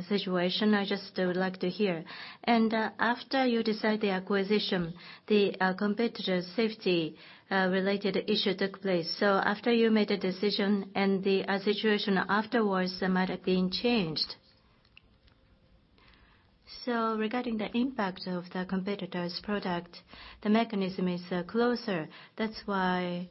situation, I just would like to hear. And after you decide the acquisition, the competitor's safety-related issue took place. So after you made a decision and the situation afterwards might have been changed. So regarding the impact of the competitor's product, the mechanism is closer. That's why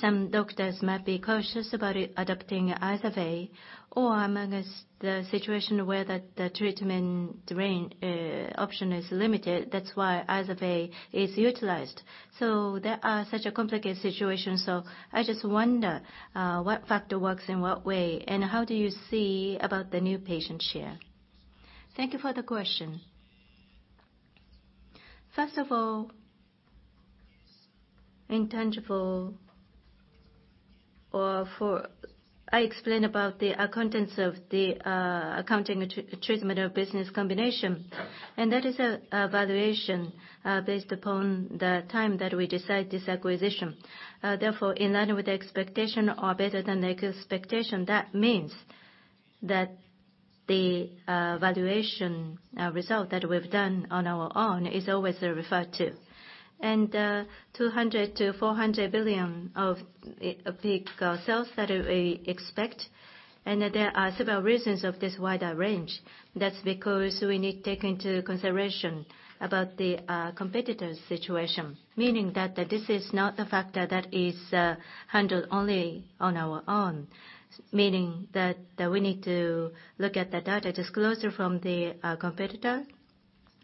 some doctors might be cautious about adopting IZERVAY, or among the situation where the treatment range option is limited, that's why IZERVAY is utilized. So there are such a complicated situation, so I just wonder, what factor works in what way, and how do you see about the new patient share? Thank you for the question. First of all, intangibles. I explain about the accounting treatment of business combination. And that is a valuation based upon the time that we decide this acquisition. Therefore, in line with the expectation or better than the expectation, that means that the valuation result that we've done on our own is always referred to. And, 200 billion-400 billion of peak sales that we expect, and there are several reasons of this wider range. That's because we need to take into consideration about the competitor's situation, meaning that this is not a factor that is handled only on our own. Meaning that we need to look at the data disclosure from the competitor,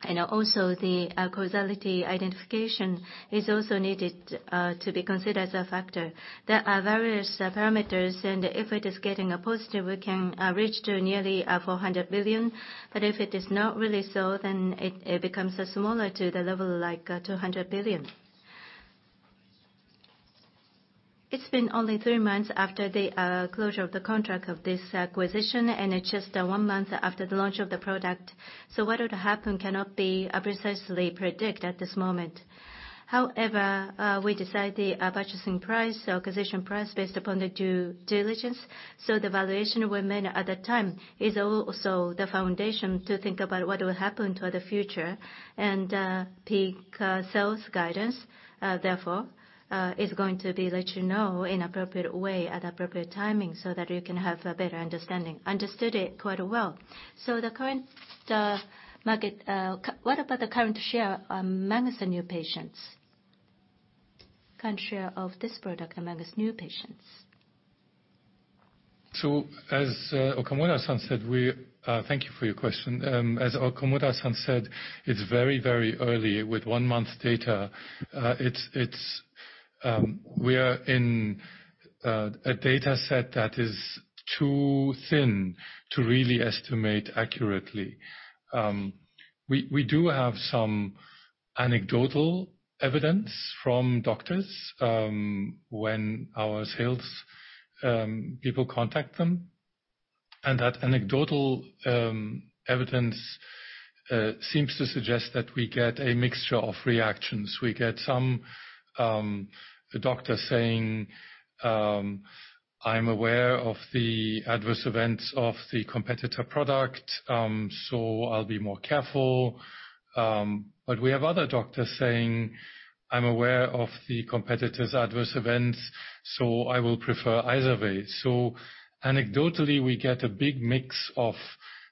and also, the causality identification is also needed to be considered as a factor. There are various parameters, and if it is getting a positive, we can reach to nearly 400 billion. But if it is not really so, then it becomes smaller to the level, like 200 billion. It's been only three months after the closure of the contract of this acquisition, and it's just one month after the launch of the product. So what would happen cannot be precisely predict at this moment. However, we decide the purchasing price, the acquisition price, based upon the due diligence. So the valuation we made at that time is also the foundation to think about what will happen to the future. And peak sales guidance therefore is going to be let you know in appropriate way, at appropriate timing, so that you can have a better understanding. Understood it quite well. So the current market – what about the current share among the new patients? Current share of this product among new patients. So as Okamura-san said, thank you for your question. As Okamura-san said, it's very, very early with one month data. We are in a data set that is too thin to really estimate accurately. We do have some anecdotal evidence from doctors when our sales people contact them, and that anecdotal evidence seems to suggest that we get a mixture of reactions. We get some the doctor saying, "I'm aware of the adverse events of the competitor product, so I'll be more careful." But we have other doctors saying, "I'm aware of the competitor's adverse events, so I will prefer IZERVAY." So anecdotally, we get a big mix of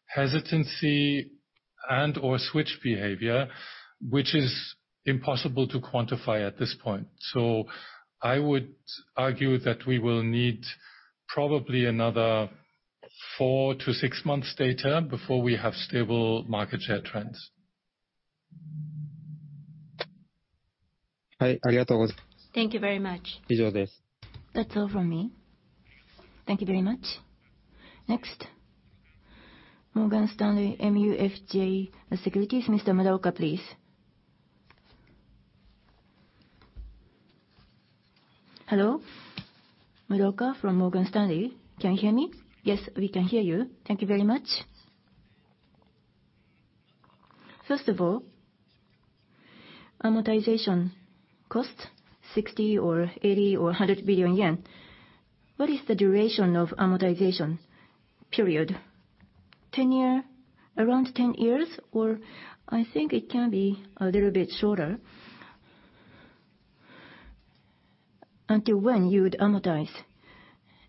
hesitancy and/or switch behavior, which is impossible to quantify at this point. I would argue that we will need probably another 4-6 months data before we have stable market share trends. Thank you very much. That's all from me. Thank you very much. Next, Morgan Stanley MUFG Securities, Mr. Muraoka, please. Hello. Muraoka from Morgan Stanley. Can you hear me? Yes, we can hear you. Thank you very much. First of all, amortization costs, 60 billion or 80 billion or 100 billion yen. What is the duration of amortization period? 10-year, around 10 years, or I think it can be a little bit shorter. Until when you would amortize?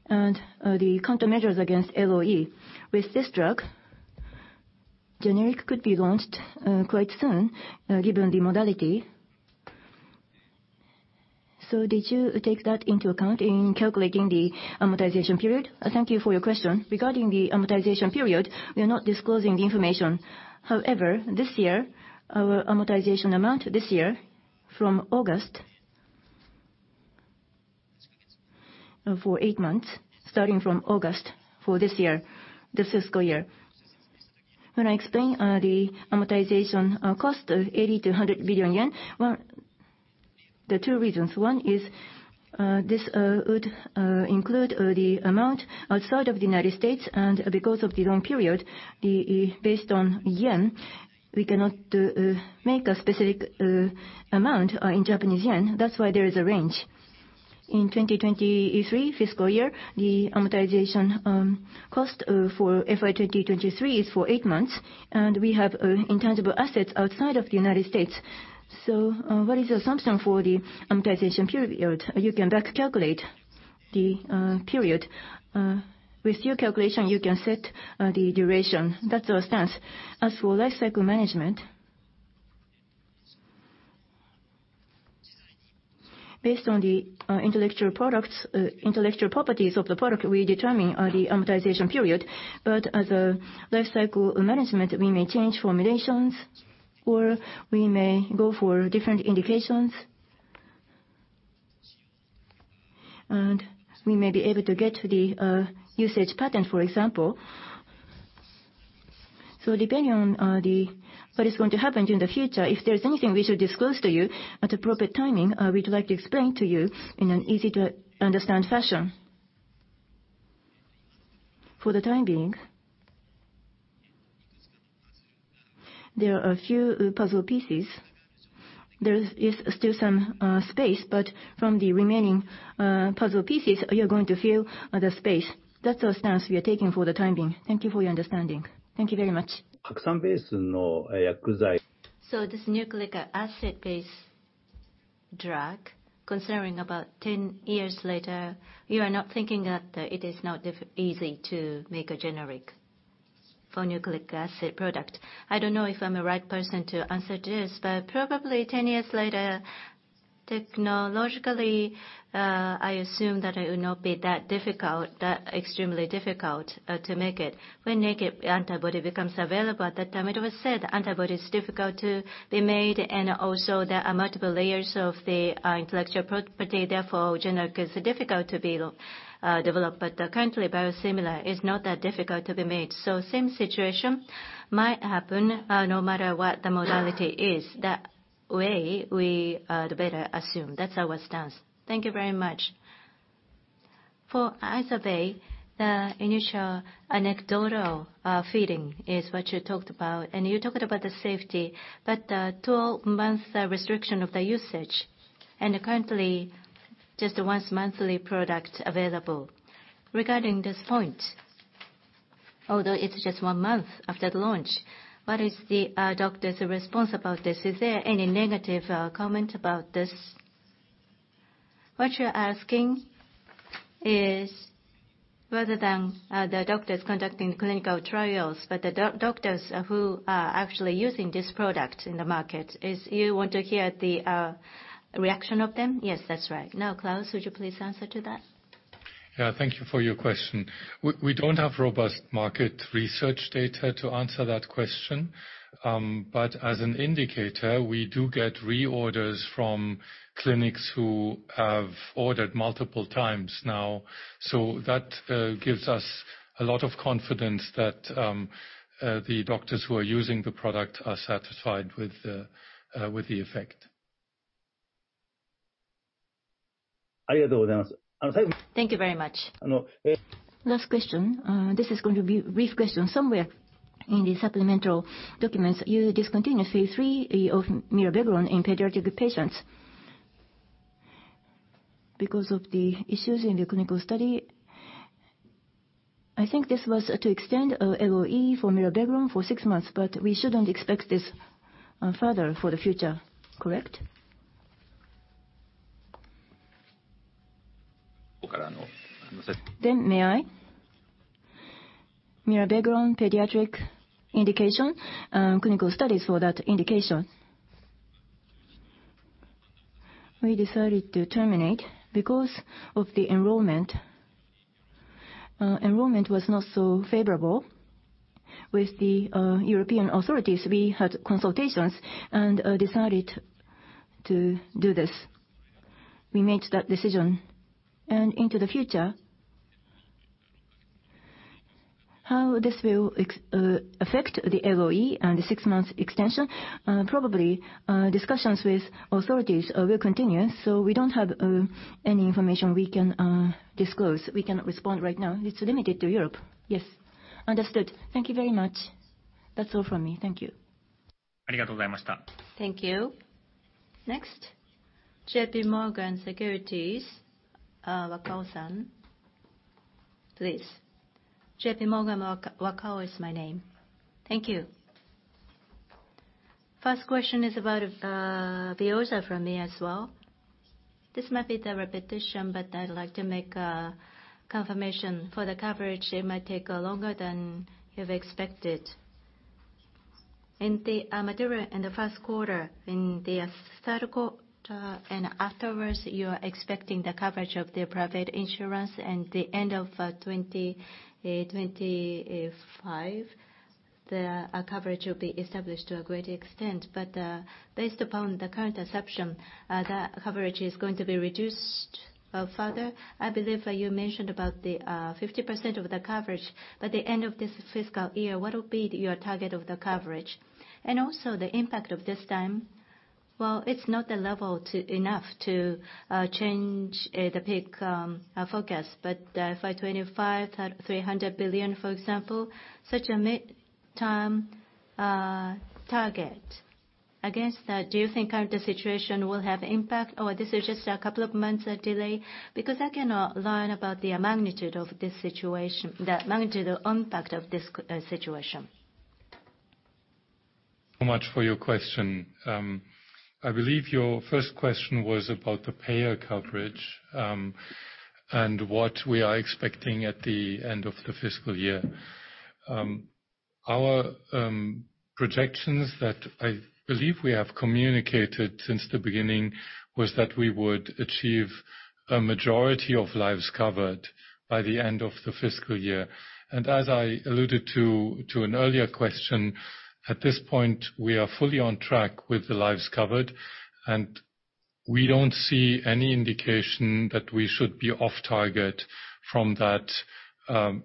And, the countermeasures against LOE. With this drug, generic could be launched quite soon, given the modality. So did you take that into account in calculating the amortization period? Thank you for your question. Regarding the amortization period, we are not disclosing the information. However, this year, our amortization amount this year, from August, for 8 months, starting from August for this year, the fiscal year. When I explain, the amortization, cost of 80 billion-100 billion yen, well, there are two reasons. One is, this, would, include, the amount outside of the United States, and because of the long period, the, based on yen, we cannot, make a specific, amount, in Japanese yen. That's why there is a range. In 2023 fiscal year, the amortization, cost, for FY 2023 is for 8 months, and we have, intangible assets outside of the United States. So, what is the assumption for the amortization period? You can back calculate the, period. With your calculation, you can set the duration. That's our stance. As for life cycle management, based on the intellectual products, intellectual properties of the product, we determine the amortization period. But as a life cycle management, we may change formulations, or we may go for different indications. And we may be able to get the usage pattern, for example. So depending on what is going to happen in the future, if there's anything we should disclose to you at appropriate timing, we'd like to explain to you in an easy-to-understand fashion. For the time being, there are a few puzzle pieces. There is still some space, but from the remaining puzzle pieces, you're going to fill the space. That's our stance we are taking for the time being. Thank you for your understanding. Thank you very much. So this nucleic acid-based drug, considering about 10 years later, you are not thinking that it is not diff- easy to make a generic for nucleic acid product? I don't know if I'm the right person to answer this, but probably 10 years later, technologically, I assume that it would not be that difficult, that extremely difficult, to make it. When naked antibody becomes available, at that time it was said antibody is difficult to be made, and also there are multiple layers of the intellectual property, therefore, generic is difficult to be developed. But currently, biosimilar is not that difficult to be made. So same situation might happen, no matter what the modality is. That way, we, the better assume. That's our stance. Thank you very much. For IZERVAY, the initial anecdotal feeling is what you talked about, and you talked about the safety, but the 12-month restriction of the usage, and currently, just once monthly product available. Regarding this point, although it's just 1 month after the launch, what is the doctors' response about this? Is there any negative comment about this? What you're asking is rather than the doctors conducting clinical trials, but the doctors who are actually using this product in the market, is you want to hear the reaction of them? Yes, that's right. Now, Claus, would you please answer to that? Yeah, thank you for your question. We, we don't have robust market research data to answer that question. But as an indicator, we do get reorders from clinics who have ordered multiple times now. So that gives us a lot of confidence that the doctors who are using the product are satisfied with the, with the effect. Thank you very much. Last question. This is going to be a brief question. Somewhere in the supplemental documents, you discontinue phase III of mirabegron in pediatric patients because of the issues in the clinical study. I think this was to extend LOE for mirabegron for six months, but we shouldn't expect this further for the future, correct? Then may I? Mirabegron pediatric indication, clinical studies for that indication. We decided to terminate because of the enrollment. Enrollment was not so favorable. With the European authorities, we had consultations and decided to do this. We made that decision. And into the future, how this will affect the LOE and the six-month extension, probably discussions with authorities will continue, so we don't have any information we can disclose. We cannot respond right now. It's limited to Europe. Yes. Understood. Thank you very much. That's all from me. Thank you. Thank you. Next, Morgan Stanley MUFG Securities. please. JP Morgan, Wakao is my name. Thank you. First question is about VEOZAH from me as well. This might be the repetition, but I'd like to make a confirmation. For the coverage, it might take longer than you've expected. In the material in the first quarter, in the start quarter and afterwards, you are expecting the coverage of the private insurance and the end of 2025, the coverage will be established to a great extent. But based upon the current assumption, the coverage is going to be reduced further. I believe you mentioned about the 50% of the coverage by the end of this fiscal year. What will be your target of the coverage? Also, the impact of this time, well, it's not the level enough to change the peak forecast, but by 2025, 300 billion, for example, such a midterm target. Against that, do you think current situation will have impact, or this is just a couple of months of delay? Because I cannot learn about the magnitude of this situation, the magnitude, the impact of this situation. So much for your question. I believe your first question was about the payer coverage, and what we are expecting at the end of the fiscal year. Our projections that I believe we have communicated since the beginning was that we would achieve a majority of lives covered by the end of the fiscal year. And as I alluded to an earlier question, at this point, we are fully on track with the lives covered, and we don't see any indication that we should be off target from that,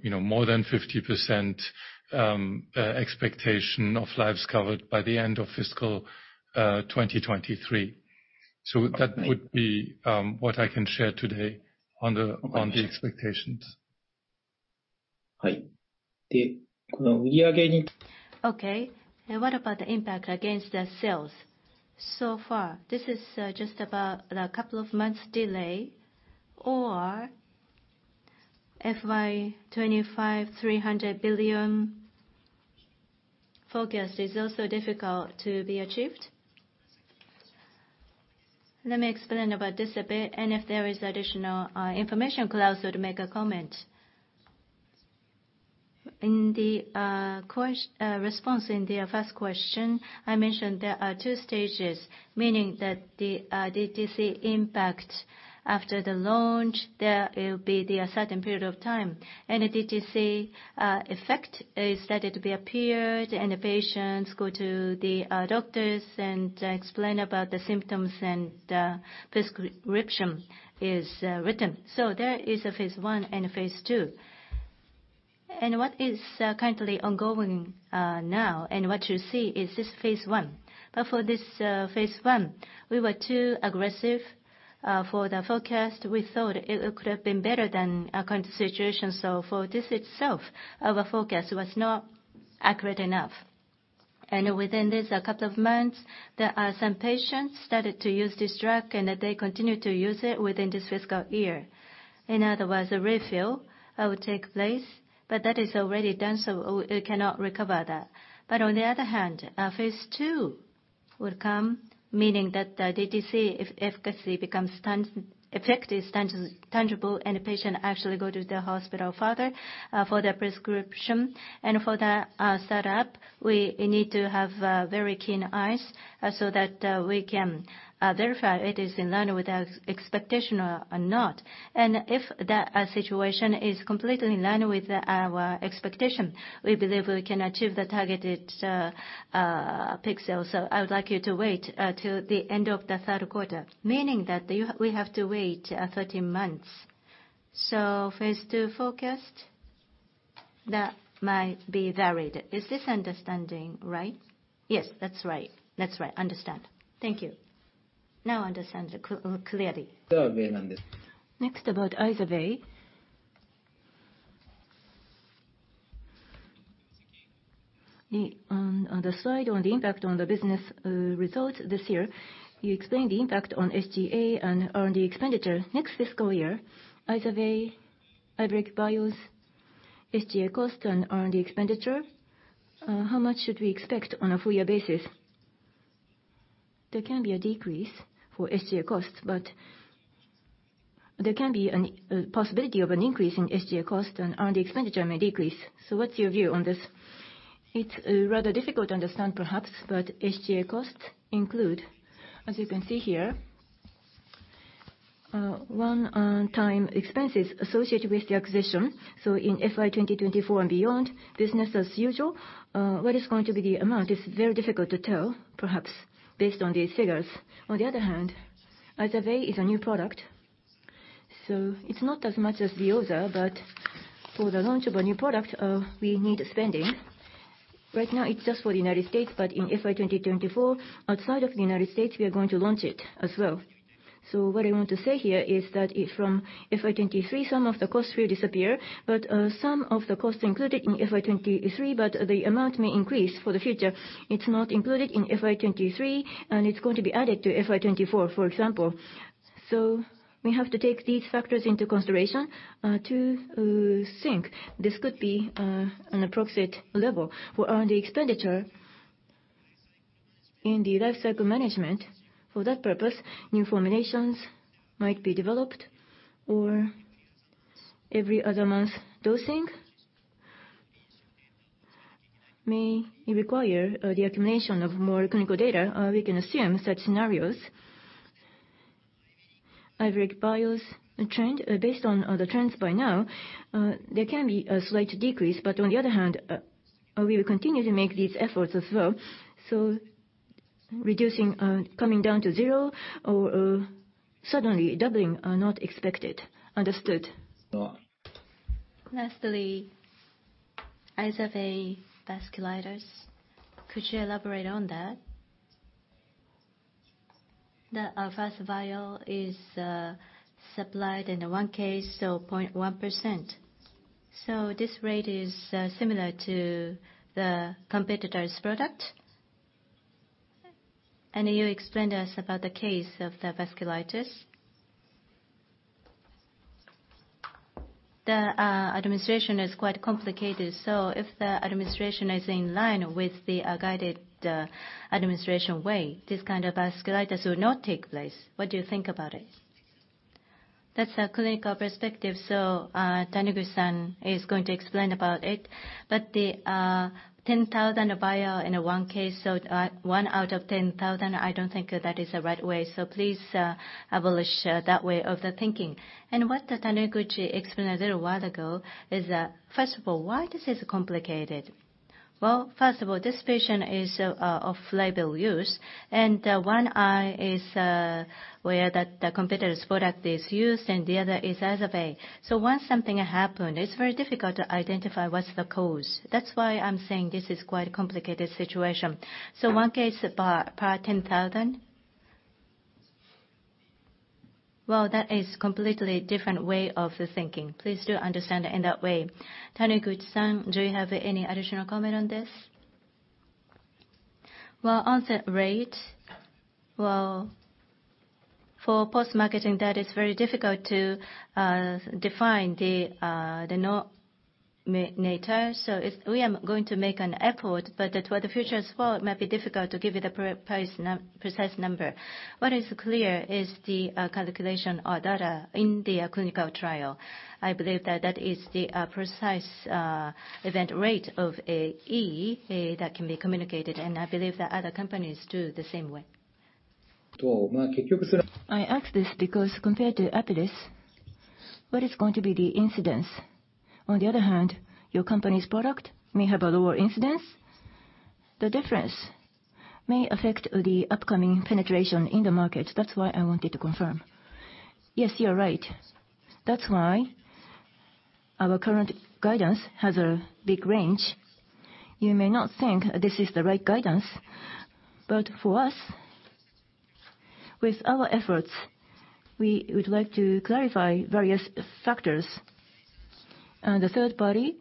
you know, more than 50% expectation of lives covered by the end of fiscal 2023. So that would be what I can share today on the expectations. Okay, and what about the impact against the sales? So far, this is just about a couple of months delay, or FY 2025, 300 billion forecast is also difficult to be achieved? Let me explain about this a bit, and if there is additional information, Claus would make a comment. In the response in the first question, I mentioned there are two stages, meaning that the DTC impact after the launch, there it'll be the certain period of time. And the DTC effect is started to be appeared, and the patients go to the doctors and explain about the symptoms, and prescription is written. So there is a phase I and phase II. And what is currently ongoing now, and what you see is just phase I. But for this phase I, we were too aggressive for the forecast. We thought it could have been better than our current situation. So for this itself, our forecast was not accurate enough. And within this, a couple of months, there are some patients started to use this drug, and that they continue to use it within this fiscal year. In other words, a refill will take place, but that is already done, so we cannot recover that. But on the other hand, our phase II will come, meaning that the DTC efficacy becomes tangible, and the patient actually go to the hospital further for the prescription. And for the setup, we need to have very keen eyes so that we can verify it is in line with our expectation or not. If that situation is completely in line with our expectation, we believe we can achieve the targeted peak sales. So I would like you to wait till the end of the third quarter. Meaning that you, we have to wait 13 months. So phase II forecast, that might be varied. Is this understanding right? Yes, that's right. That's right. Understand. Thank you. Now understand clearly. Next, about IZERVAY. The, on the slide, on the impact on the business results this year, you explained the impact on SGA and R&D expenditure. Next fiscal year, IZERVAY, Iveric Bio's SGA cost and R&D expenditure, how much should we expect on a full-year basis? There can be a decrease for SGA costs, but there can be a possibility of an increase in SGA cost and R&D expenditure may decrease. So what's your view on this? It's rather difficult to understand, perhaps, but SGA costs include, as you can see here, one time expenses associated with the acquisition. So in FY 2024 and beyond, business as usual, what is going to be the amount is very difficult to tell, perhaps, based on these figures. On the other hand, IZERVAY is a new product, so it's not as much as the other, but for the launch of a new product, we need spending. Right now, it's just for the United States, but in FY 2024, outside of the United States, we are going to launch it as well. So what I want to say here is that i- from FY 2023, some of the costs will disappear, but some of the costs included in FY 2023, but the amount may increase for the future. It's not included in FY 2023, and it's going to be added to FY 2024, for example. So we have to take these factors into consideration, to think. This could be an approximate level. For R&D expenditure, in the life cycle management, for that purpose, new formulations might be developed, or every other month dosing may require the accumulation of more clinical data. We can assume such scenarios. Iveric Bio's trend, based on the trends by now, there can be a slight decrease. But on the other hand, we will continue to make these efforts as well. So reducing, coming down to zero or suddenly doubling are not expected. Understood. Lastly, IZERVAY vasculitis. Could you elaborate on that? The first vial is supplied in one case, so 0.1%. So this rate is similar to the competitor's product? You explained to us about the case of the vasculitis. The administration is quite complicated, so if the administration is in line with the guided administration way, this kind of vasculitis would not take place. What do you think about it? That's a clinical perspective, so Taniguchi-san is going to explain about it. But the 10,000 vial in one case, so one out of 10,000, I don't think that is the right way. So please abolish that way of the thinking. And what Taniguchi explained a little while ago is that, first of all, why this is complicated? Well, first of all, this patient is off-label use, and one eye is where the competitor's product is used, and the other is IZERVAY. So once something happened, it's very difficult to identify what's the cause. That's why I'm saying this is quite a complicated situation. So one case per 10,000? Well, that is completely different way of thinking. Please do understand it in that way. Taniguchi-san, do you have any additional comment on this? Well, onset rate. Well, for post-marketing, that is very difficult to define the denominator. So it's, we are going to make an effort, but for the future as well, it might be difficult to give you the precise number. What is clear is the calculation or data in the clinical trial. I believe that that is the precise event rate of AE that can be communicated, and I believe that other companies do the same way. I ask this because compared to Apellis, what is going to be the incidence? On the other hand, your company's product may have a lower incidence.... The difference may affect the upcoming penetration in the market. That's why I wanted to confirm. Yes, you are right. That's why our current guidance has a big range. You may not think this is the right guidance, but for us, with our efforts, we would like to clarify various factors. And the third party,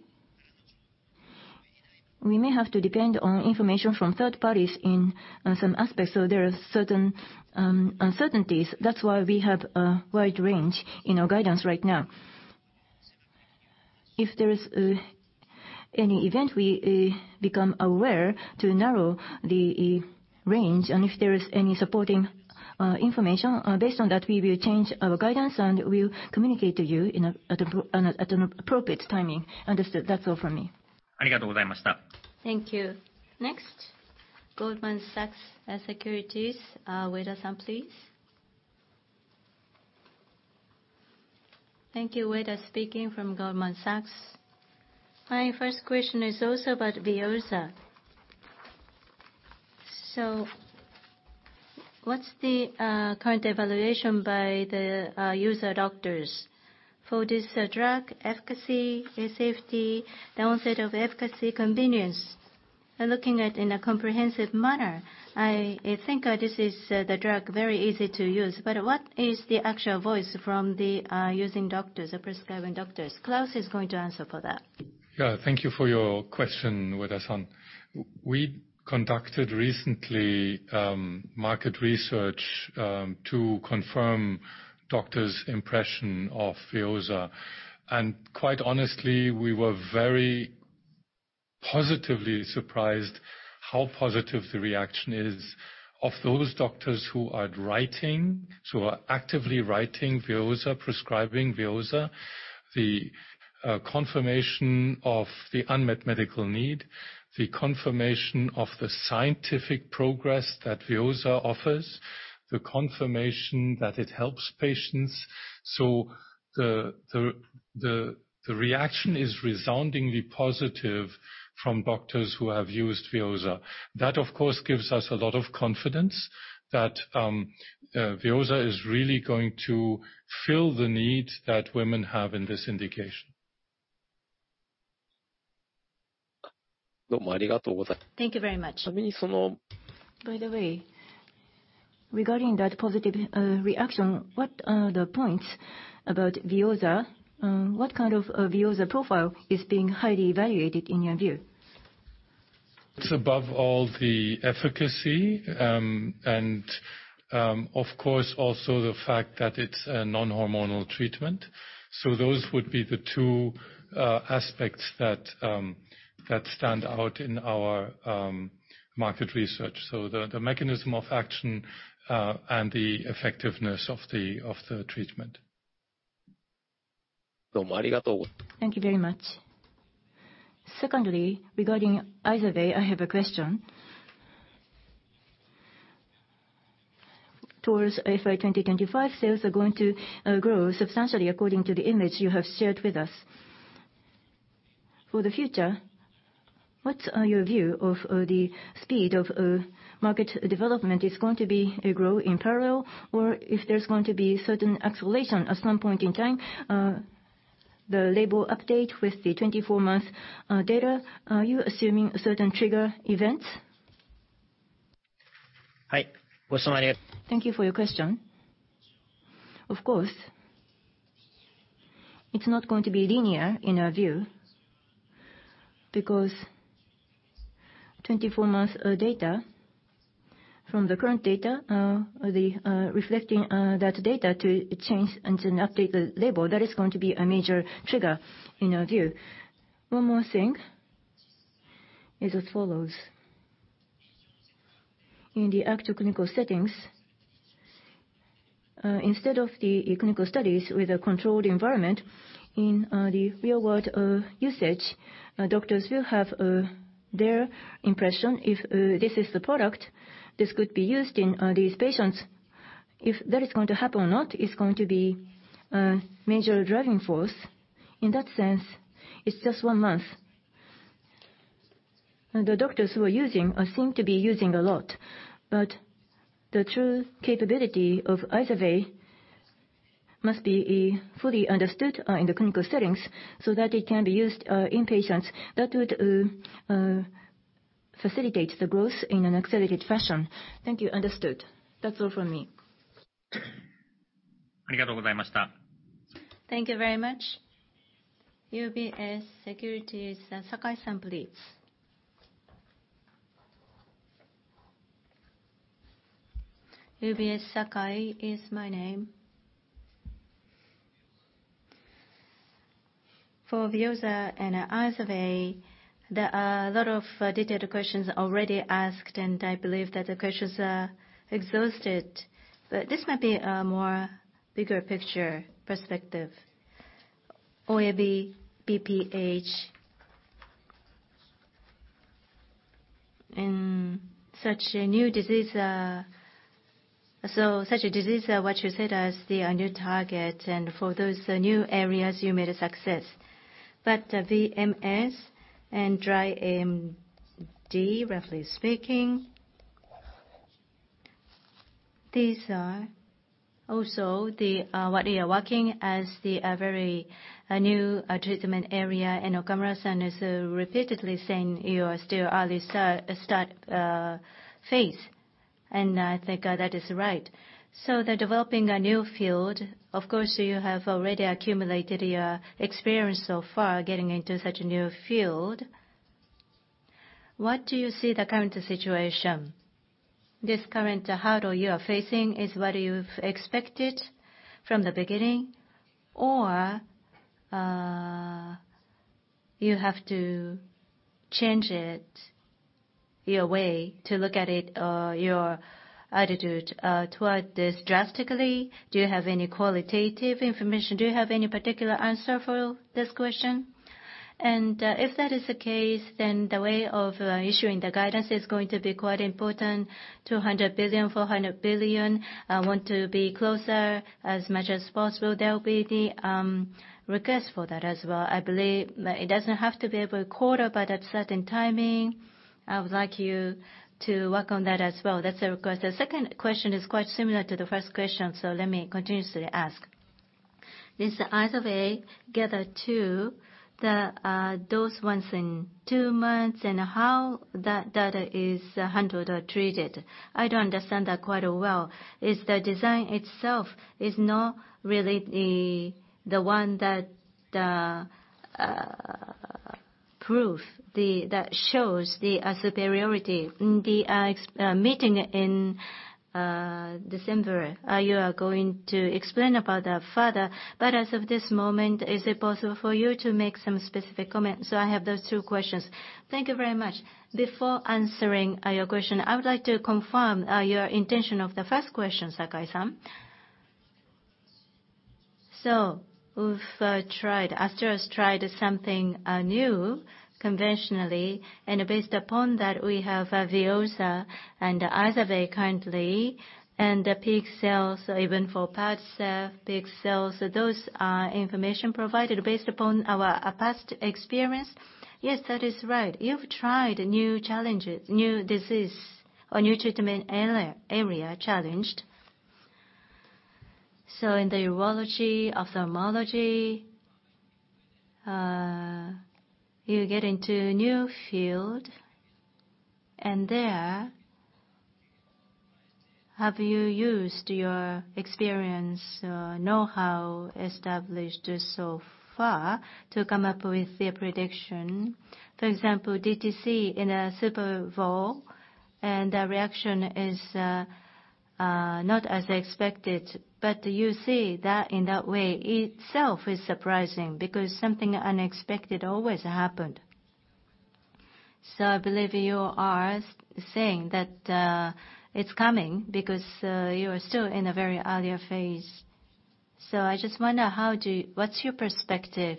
we may have to depend on information from third parties in some aspects, so there are certain uncertainties. That's why we have a wide range in our guidance right now. If there is any event we become aware to narrow the range, and if there is any supporting information based on that, we will change our guidance, and we'll communicate to you at an appropriate timing. Understood. That's all for me. Thank you. Next, Goldman Sachs Securities, Ueda-san, please. Thank you. Ueda speaking from Goldman Sachs. My first question is also about VEOZAH. So what's the current evaluation by the user doctors for this drug efficacy and safety, the onset of efficacy, convenience? By looking at in a comprehensive manner, I, I think this is the drug very easy to use, but what is the actual voice from the using doctors or prescribing doctors? Claus is going to answer for that. Yeah, thank you for your question, Ueda-san. We conducted recently market research to confirm doctors' impression of VEOZAH, and quite honestly, we were very positively surprised how positive the reaction is of those doctors who are writing, so are actively writing VEOZAH, prescribing VEOZAH, the confirmation of the unmet medical need, the confirmation of the scientific progress that VEOZAH offers, the confirmation that it helps patients. So the reaction is resoundingly positive from doctors who have used VEOZAH. That, of course, gives us a lot of confidence that VEOZAH is really going to fill the need that women have in this indication. Thank you very much. By the way, regarding that positive reaction, what are the points about VEOZAH? What kind of VEOZAH profile is being highly evaluated in your view? It's above all the efficacy, and of course also the fact that it's a non-hormonal treatment. So those would be the two aspects that stand out in our market research. So the mechanism of action, and the effectiveness of the treatment. Thank you very much. Secondly, regarding IZERVAY, I have a question. Towards FY 2025, sales are going to grow substantially according to the image you have shared with us. For the future, what are your view of the speed of market development? Is going to be a growth in parallel, or if there's going to be certain acceleration at some point in time, the label update with the 24-month data, are you assuming certain trigger events? Thank you for your question. Of course, it's not going to be linear in our view because 24 months of data from the current data, reflecting that data to change and to update the label, that is going to be a major trigger in our view. One more thing is as follows: In the active clinical settings, instead of the clinical studies with a controlled environment, in the real-world usage, doctors will have their impression if this is the product, this could be used in these patients. If that is going to happen or not, it's going to be a major driving force. In that sense, it's just one month. The doctors who are using seem to be using a lot, but the true capability of IZERVAY must be fully understood in the clinical settings so that it can be used in patients. That would facilitate the growth in an accelerated fashion. Thank you. Understood. That's all from me. Thank you very much. UBS Securities, Sakai-san, please. UBS, Sakai is my name. For VEOZAH and IZERVAY, there are a lot of detailed questions already asked, and I believe that the questions are exhausted. But this might be a more bigger picture perspective. OAB, BPH, in such a new disease. So such a disease, what you said as the new target, and for those new areas, you made a success. But VMS and dry AMD, roughly speaking, these are also the what you are working as the very new treatment area. And Okamura-san is repeatedly saying you are still early start phase, and I think that is right. So the developing a new field, of course, you have already accumulated your experience so far, getting into such a new field. What do you see the current situation? This current hurdle you are facing is what you've expected from the beginning, or, you have to change it, your way to look at it, or your attitude, toward this drastically? Do you have any qualitative information? Do you have any particular answer for this question? And, if that is the case, then the way of, issuing the guidance is going to be quite important. 200 billion, 400 billion, I want to be closer as much as possible. There will be the request for that as well. I believe it doesn't have to be every quarter, but at certain timing, I would like you to work on that as well. That's the request. The second question is quite similar to the first question, so let me continuously ask. Is there either way to get the two, the those once in two months, and how that data is handled or treated? I don't understand that quite well. Is the design itself not really the one that proves that shows the superiority? In the ex- meeting in December, you are going to explain about that further. But as of this moment, is it possible for you to make some specific comments? So I have those two questions. Thank you very much. Before answering your question, I would like to confirm your intention of the first question, Sakai-san. So we've tried, AstraZeneca has tried something new conventionally, and based upon that, we have VEOZAH and IZERVAY currently, and the peak sales, even for PADCEV peak sales. Those are information provided based upon our past experience. Yes, that is right. You've tried new challenges, new disease or new treatment area, area challenged. So in the urology, ophthalmology, you get into a new field, and there, have you used your experience or know-how established so far to come up with your prediction? For example, DTC in a Super Bowl, and the reaction is, not as expected. But you see that in that way itself is surprising because something unexpected always happened. So I believe you are saying that, it's coming because, you are still in a very earlier phase. So I just wonder, how do you—what's your perspective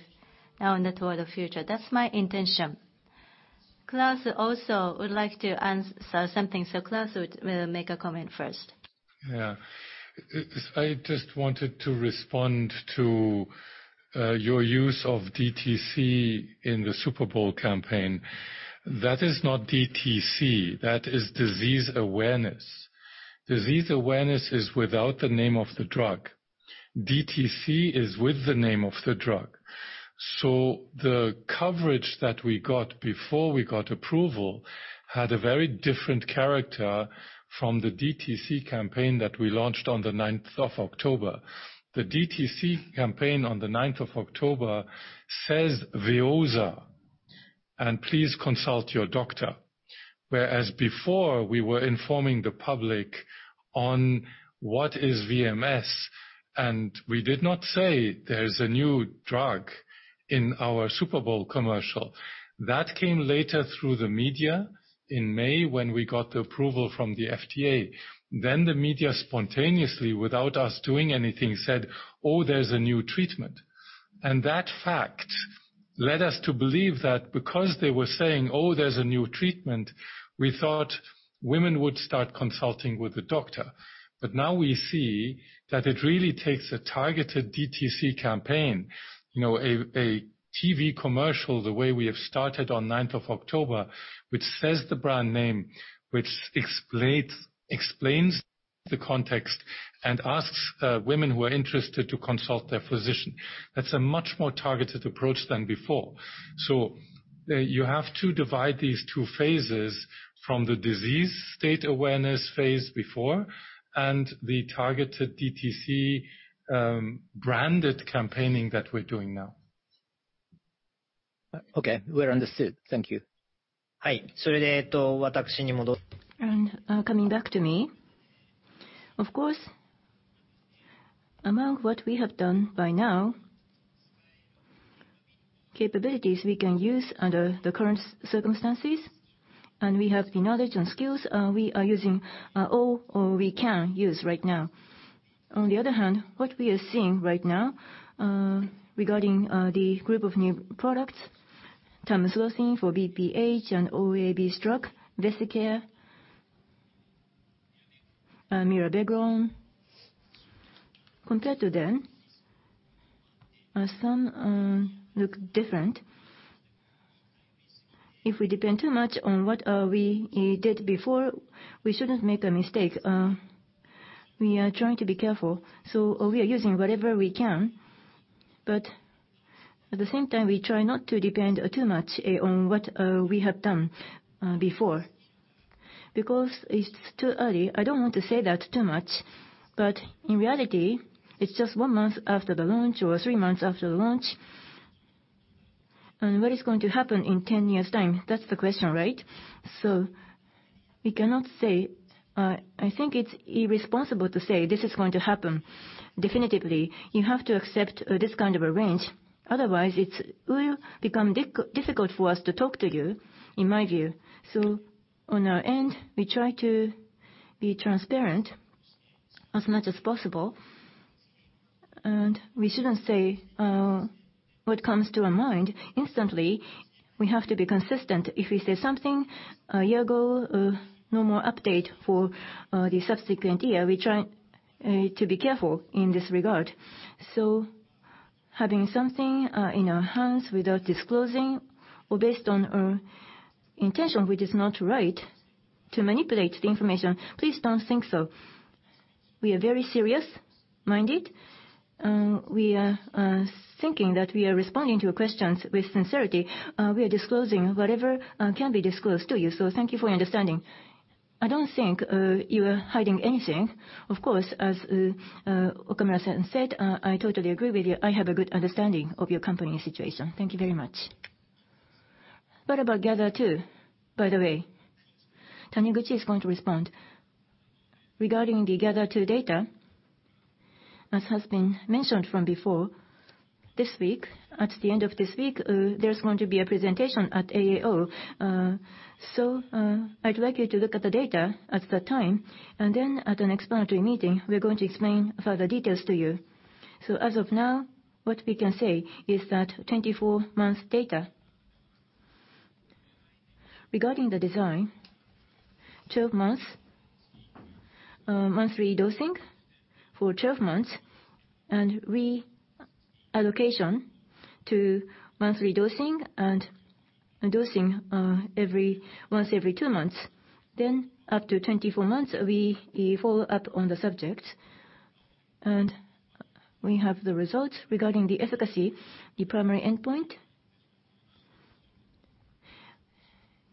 now in the toward the future? That's my intention. Claus also would like to ans- something. So Claus will, will make a comment first. Yeah. I just wanted to respond to your use of DTC in the Super Bowl campaign. That is not DTC. That is disease awareness. Disease awareness is without the name of the drug. DTC is with the name of the drug. So the coverage that we got before we got approval had a very different character from the DTC campaign that we launched on the ninth of October. The DTC campaign on the ninth of October says VEOZAH, and please consult your doctor. Whereas before, we were informing the public on what is VMS, and we did not say there is a new drug in our Super Bowl commercial. That came later through the media in May, when we got the approval from the FDA. Then, the media spontaneously, without us doing anything, said, "Oh, there's a new treatment." And that fact led us to believe that because they were saying, "Oh, there's a new treatment," we thought women would start consulting with the doctor. But now we see that it really takes a targeted DTC campaign, you know, a TV commercial, the way we have started on ninth of October, which says the brand name, which explains the context and asks women who are interested to consult their physician. That's a much more targeted approach than before. So you have to divide these two phases from the disease state awareness phase before and the targeted DTC branded campaigning that we're doing now. Okay. Well understood. Thank you. And coming back to me. Of course, among what we have done by now, capabilities we can use under the current circumstances, and we have the knowledge and skills, we are using all or we can use right now. On the other hand, what we are seeing right now regarding the group of new products-... tamsulosin for BPH and OAB stroke, Vesicare, Myrbetriq. Compared to them, some look different. If we depend too much on what we did before, we shouldn't make a mistake. We are trying to be careful, so we are using whatever we can. But at the same time, we try not to depend too much on what we have done before. Because it's too early, I don't want to say that too much, but in reality, it's just one month after the launch or three months after the launch. And what is going to happen in 10 years' time? That's the question, right? So we cannot say, I think it's irresponsible to say, "This is going to happen." Definitively, you have to accept this kind of a range. Otherwise, it will become difficult for us to talk to you, in my view. So on our end, we try to be transparent as much as possible, and we shouldn't say what comes to our mind instantly. We have to be consistent. If we say something a year ago, no more update for the subsequent year, we try to be careful in this regard. So having something in our hands without disclosing or based on our intention, which is not right, to manipulate the information, please don't think so. We are very serious-minded. We are thinking that we are responding to your questions with sincerity. We are disclosing whatever can be disclosed to you, so thank you for your understanding. I don't think you are hiding anything. Of course, as Okamura-san said, I totally agree with you. I have a good understanding of your company situation. Thank you very much. What about GATHER2, by the way? Taniguchi is going to respond. Regarding the GATHER2 data, as has been mentioned from before, this week, at the end of this week, there's going to be a presentation at AAO. So, I'd like you to look at the data at that time, and then at an explanatory meeting, we're going to explain further details to you. So as of now, what we can say is that 24 months data. Regarding the design, 12 months, monthly dosing for 12 months, and reallocation to monthly dosing and dosing, every, once every two months. Then, after 24 months, we follow up on the subject, and we have the results regarding the efficacy, the primary endpoint.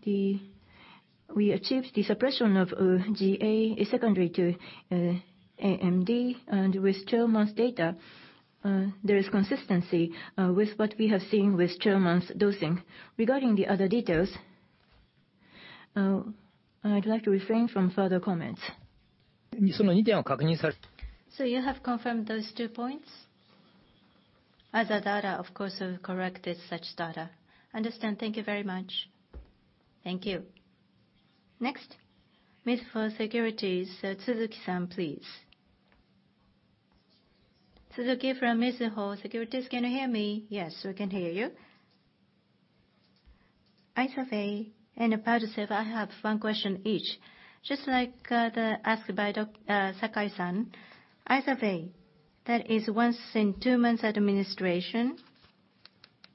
We achieved the suppression of GA secondary to AMD, and with 2 months data, there is consistency with what we have seen with 2 months dosing. Regarding the other details, I'd like to refrain from further comments. So you have confirmed those 2 points? Other data, of course, we've corrected such data. Understand. Thank you very much. Thank you. Next, Mizuho Securities, Suzuki-san, please. Tsuzuki from Mizuho Securities. Can you hear me? Yes, we can hear you. IZERVAY and PADCEV, I have one question each. Just like the one asked by Sakai-san, IZERVAY. That is once in two months administration.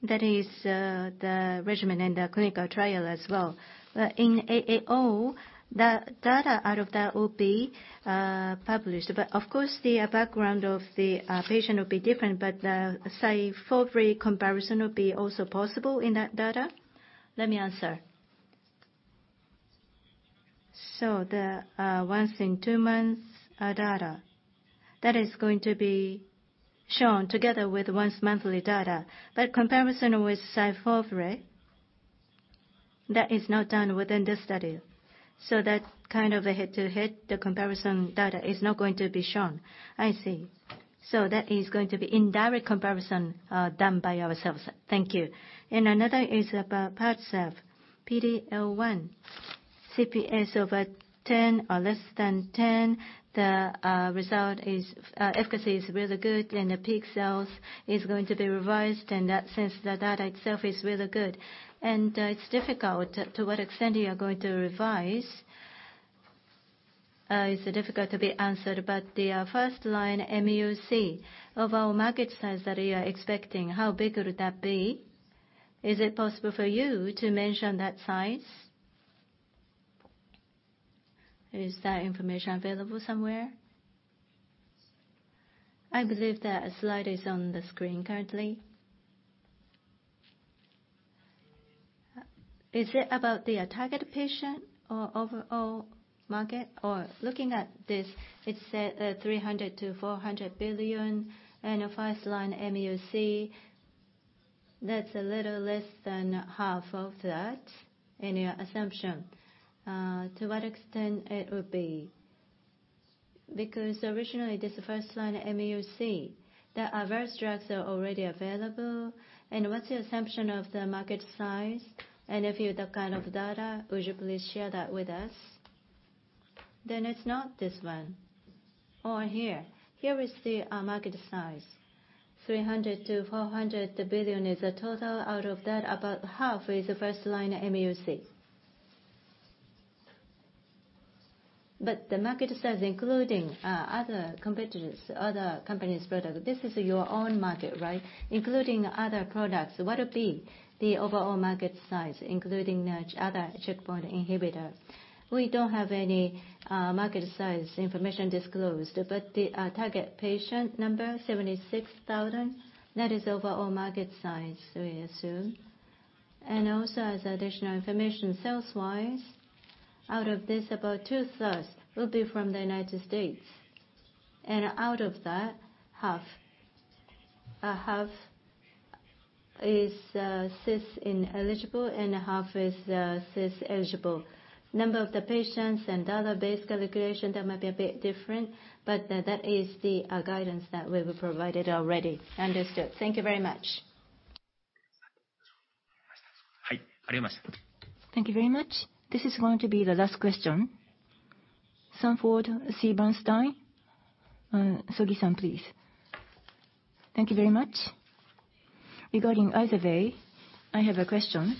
That is the regimen in the clinical trial as well. But in AAO, the data out of that will be published. But of course, the background of the patient will be different, but the say four-way comparison will be also possible in that data? Let me answer. So the once in two months data that is going to be shown together with once monthly data. But comparison with Syfovre, that is not done within this study. So that kind of a head-to-head, the comparison data is not going to be shown. I see. So that is going to be indirect comparison done by ourselves. Thank you. And another is about PADCEV, PD-L1. CPS over 10 or less than 10, the result is efficacy is really good, and the peak sales is going to be revised, and that since the data itself is really good. And it's difficult to what extent you are going to revise. It's difficult to be answered, but the first line mUC of our market size that you are expecting, how big would that be? Is it possible for you to mention that size? Is that information available somewhere? I believe that slide is on the screen currently. Is it about the target patient or overall market? Or looking at this, it said, $300 billion-$400 billion, and first-line mUC, that's a little less than half of that in your assumption. To what extent it would be? Because originally, this first-line mUC, there are various drugs that are already available, and what's the assumption of the market size? And if you have that kind of data, would you please share that with us? Then it's not this one. Or here, here we see our market size, $300 billion-$400 billion is the total. Out of that, about half is the first-line mUC. But the market size, including, other competitors, other companies' product, this is your own market, right? Including other products, what would be the overall market size, including the other checkpoint inhibitor? We don't have any market size information disclosed, but the target patient number, 76,000, that is overall market size, we assume. And also, as additional information, sales-wise, out of this, about two-thirds will be from the United States. And out of that, half, half is cis-ineligible and half is cis-eligible. Number of the patients and other base calculation, that might be a bit different, but that is the guidance that we've provided already. Understood. Thank you very much. Thank you very much. This is going to be the last question. Sanford C. Bernstein, Sogi-san, please. Thank you very much. Regarding IZERVAY, I have a question.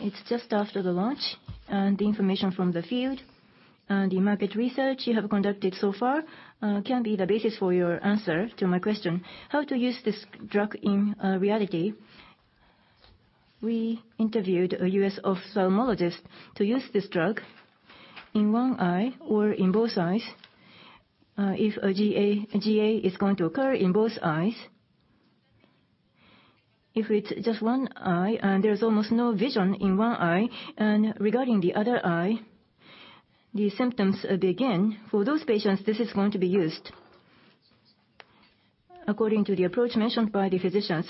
It's just after the launch, and the information from the field, and the market research you have conducted so far, can be the basis for your answer to my question. How to use this drug in reality? We interviewed a US ophthalmologist to use this drug in one eye or in both eyes, if GA is going to occur in both eyes. If it's just one eye, and there's almost no vision in one eye, and regarding the other eye, the symptoms begin, for those patients, this is going to be used. According to the approach mentioned by the physicians,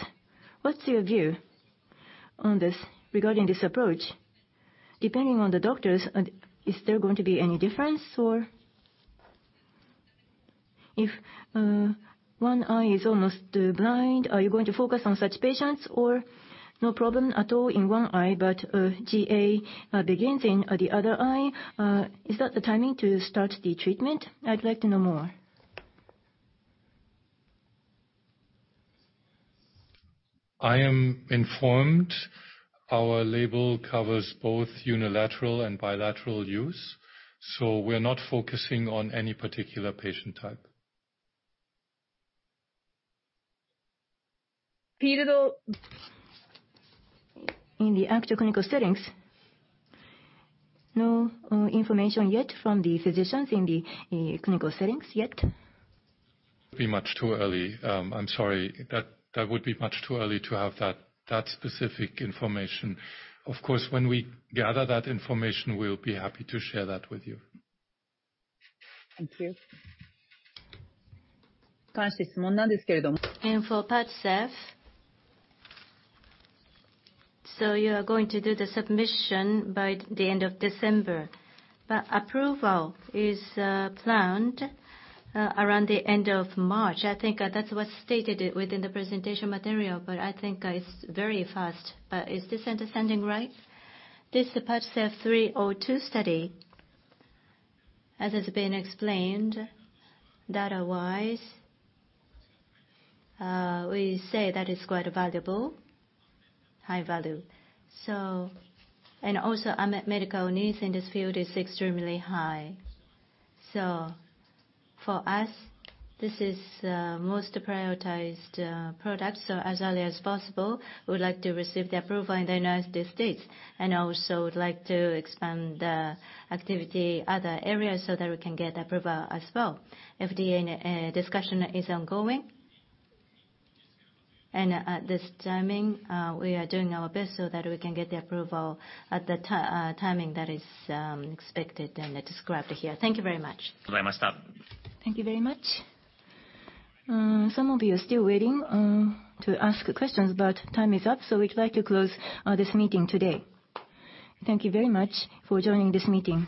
what's your view on this, regarding this approach? Depending on the doctors, and is there going to be any difference, or... If one eye is almost blind, are you going to focus on such patients? Or no problem at all in one eye, but GA begins in the other eye, is that the timing to start the treatment? I'd like to know more. I am informed our label covers both unilateral and bilateral use, so we're not focusing on any particular patient type. In the actual clinical settings, no, information yet from the physicians in the clinical settings yet? Be much too early. I'm sorry, that would be much too early to have that specific information. Of course, when we gather that information, we'll be happy to share that with you. Thank you. For PADCEV, so you are going to do the submission by the end of December, but approval is planned around the end of March. I think that's what's stated within the presentation material, but I think it's very fast. Is this understanding right? This PADCEV 302 study, as it's been explained data-wise, we say that is quite valuable, high value. So, and also, medical needs in this field is extremely high. So for us, this is most prioritized product, so as early as possible, we would like to receive the approval in the United States, and also would like to expand activity other areas so that we can get approval as well. FDA discussion is ongoing. At this timing, we are doing our best so that we can get the approval at the timing that is expected and described here. Thank you very much. Thank you very much. Some of you are still waiting to ask questions, but time is up, so we'd like to close this meeting today. Thank you very much for joining this meeting.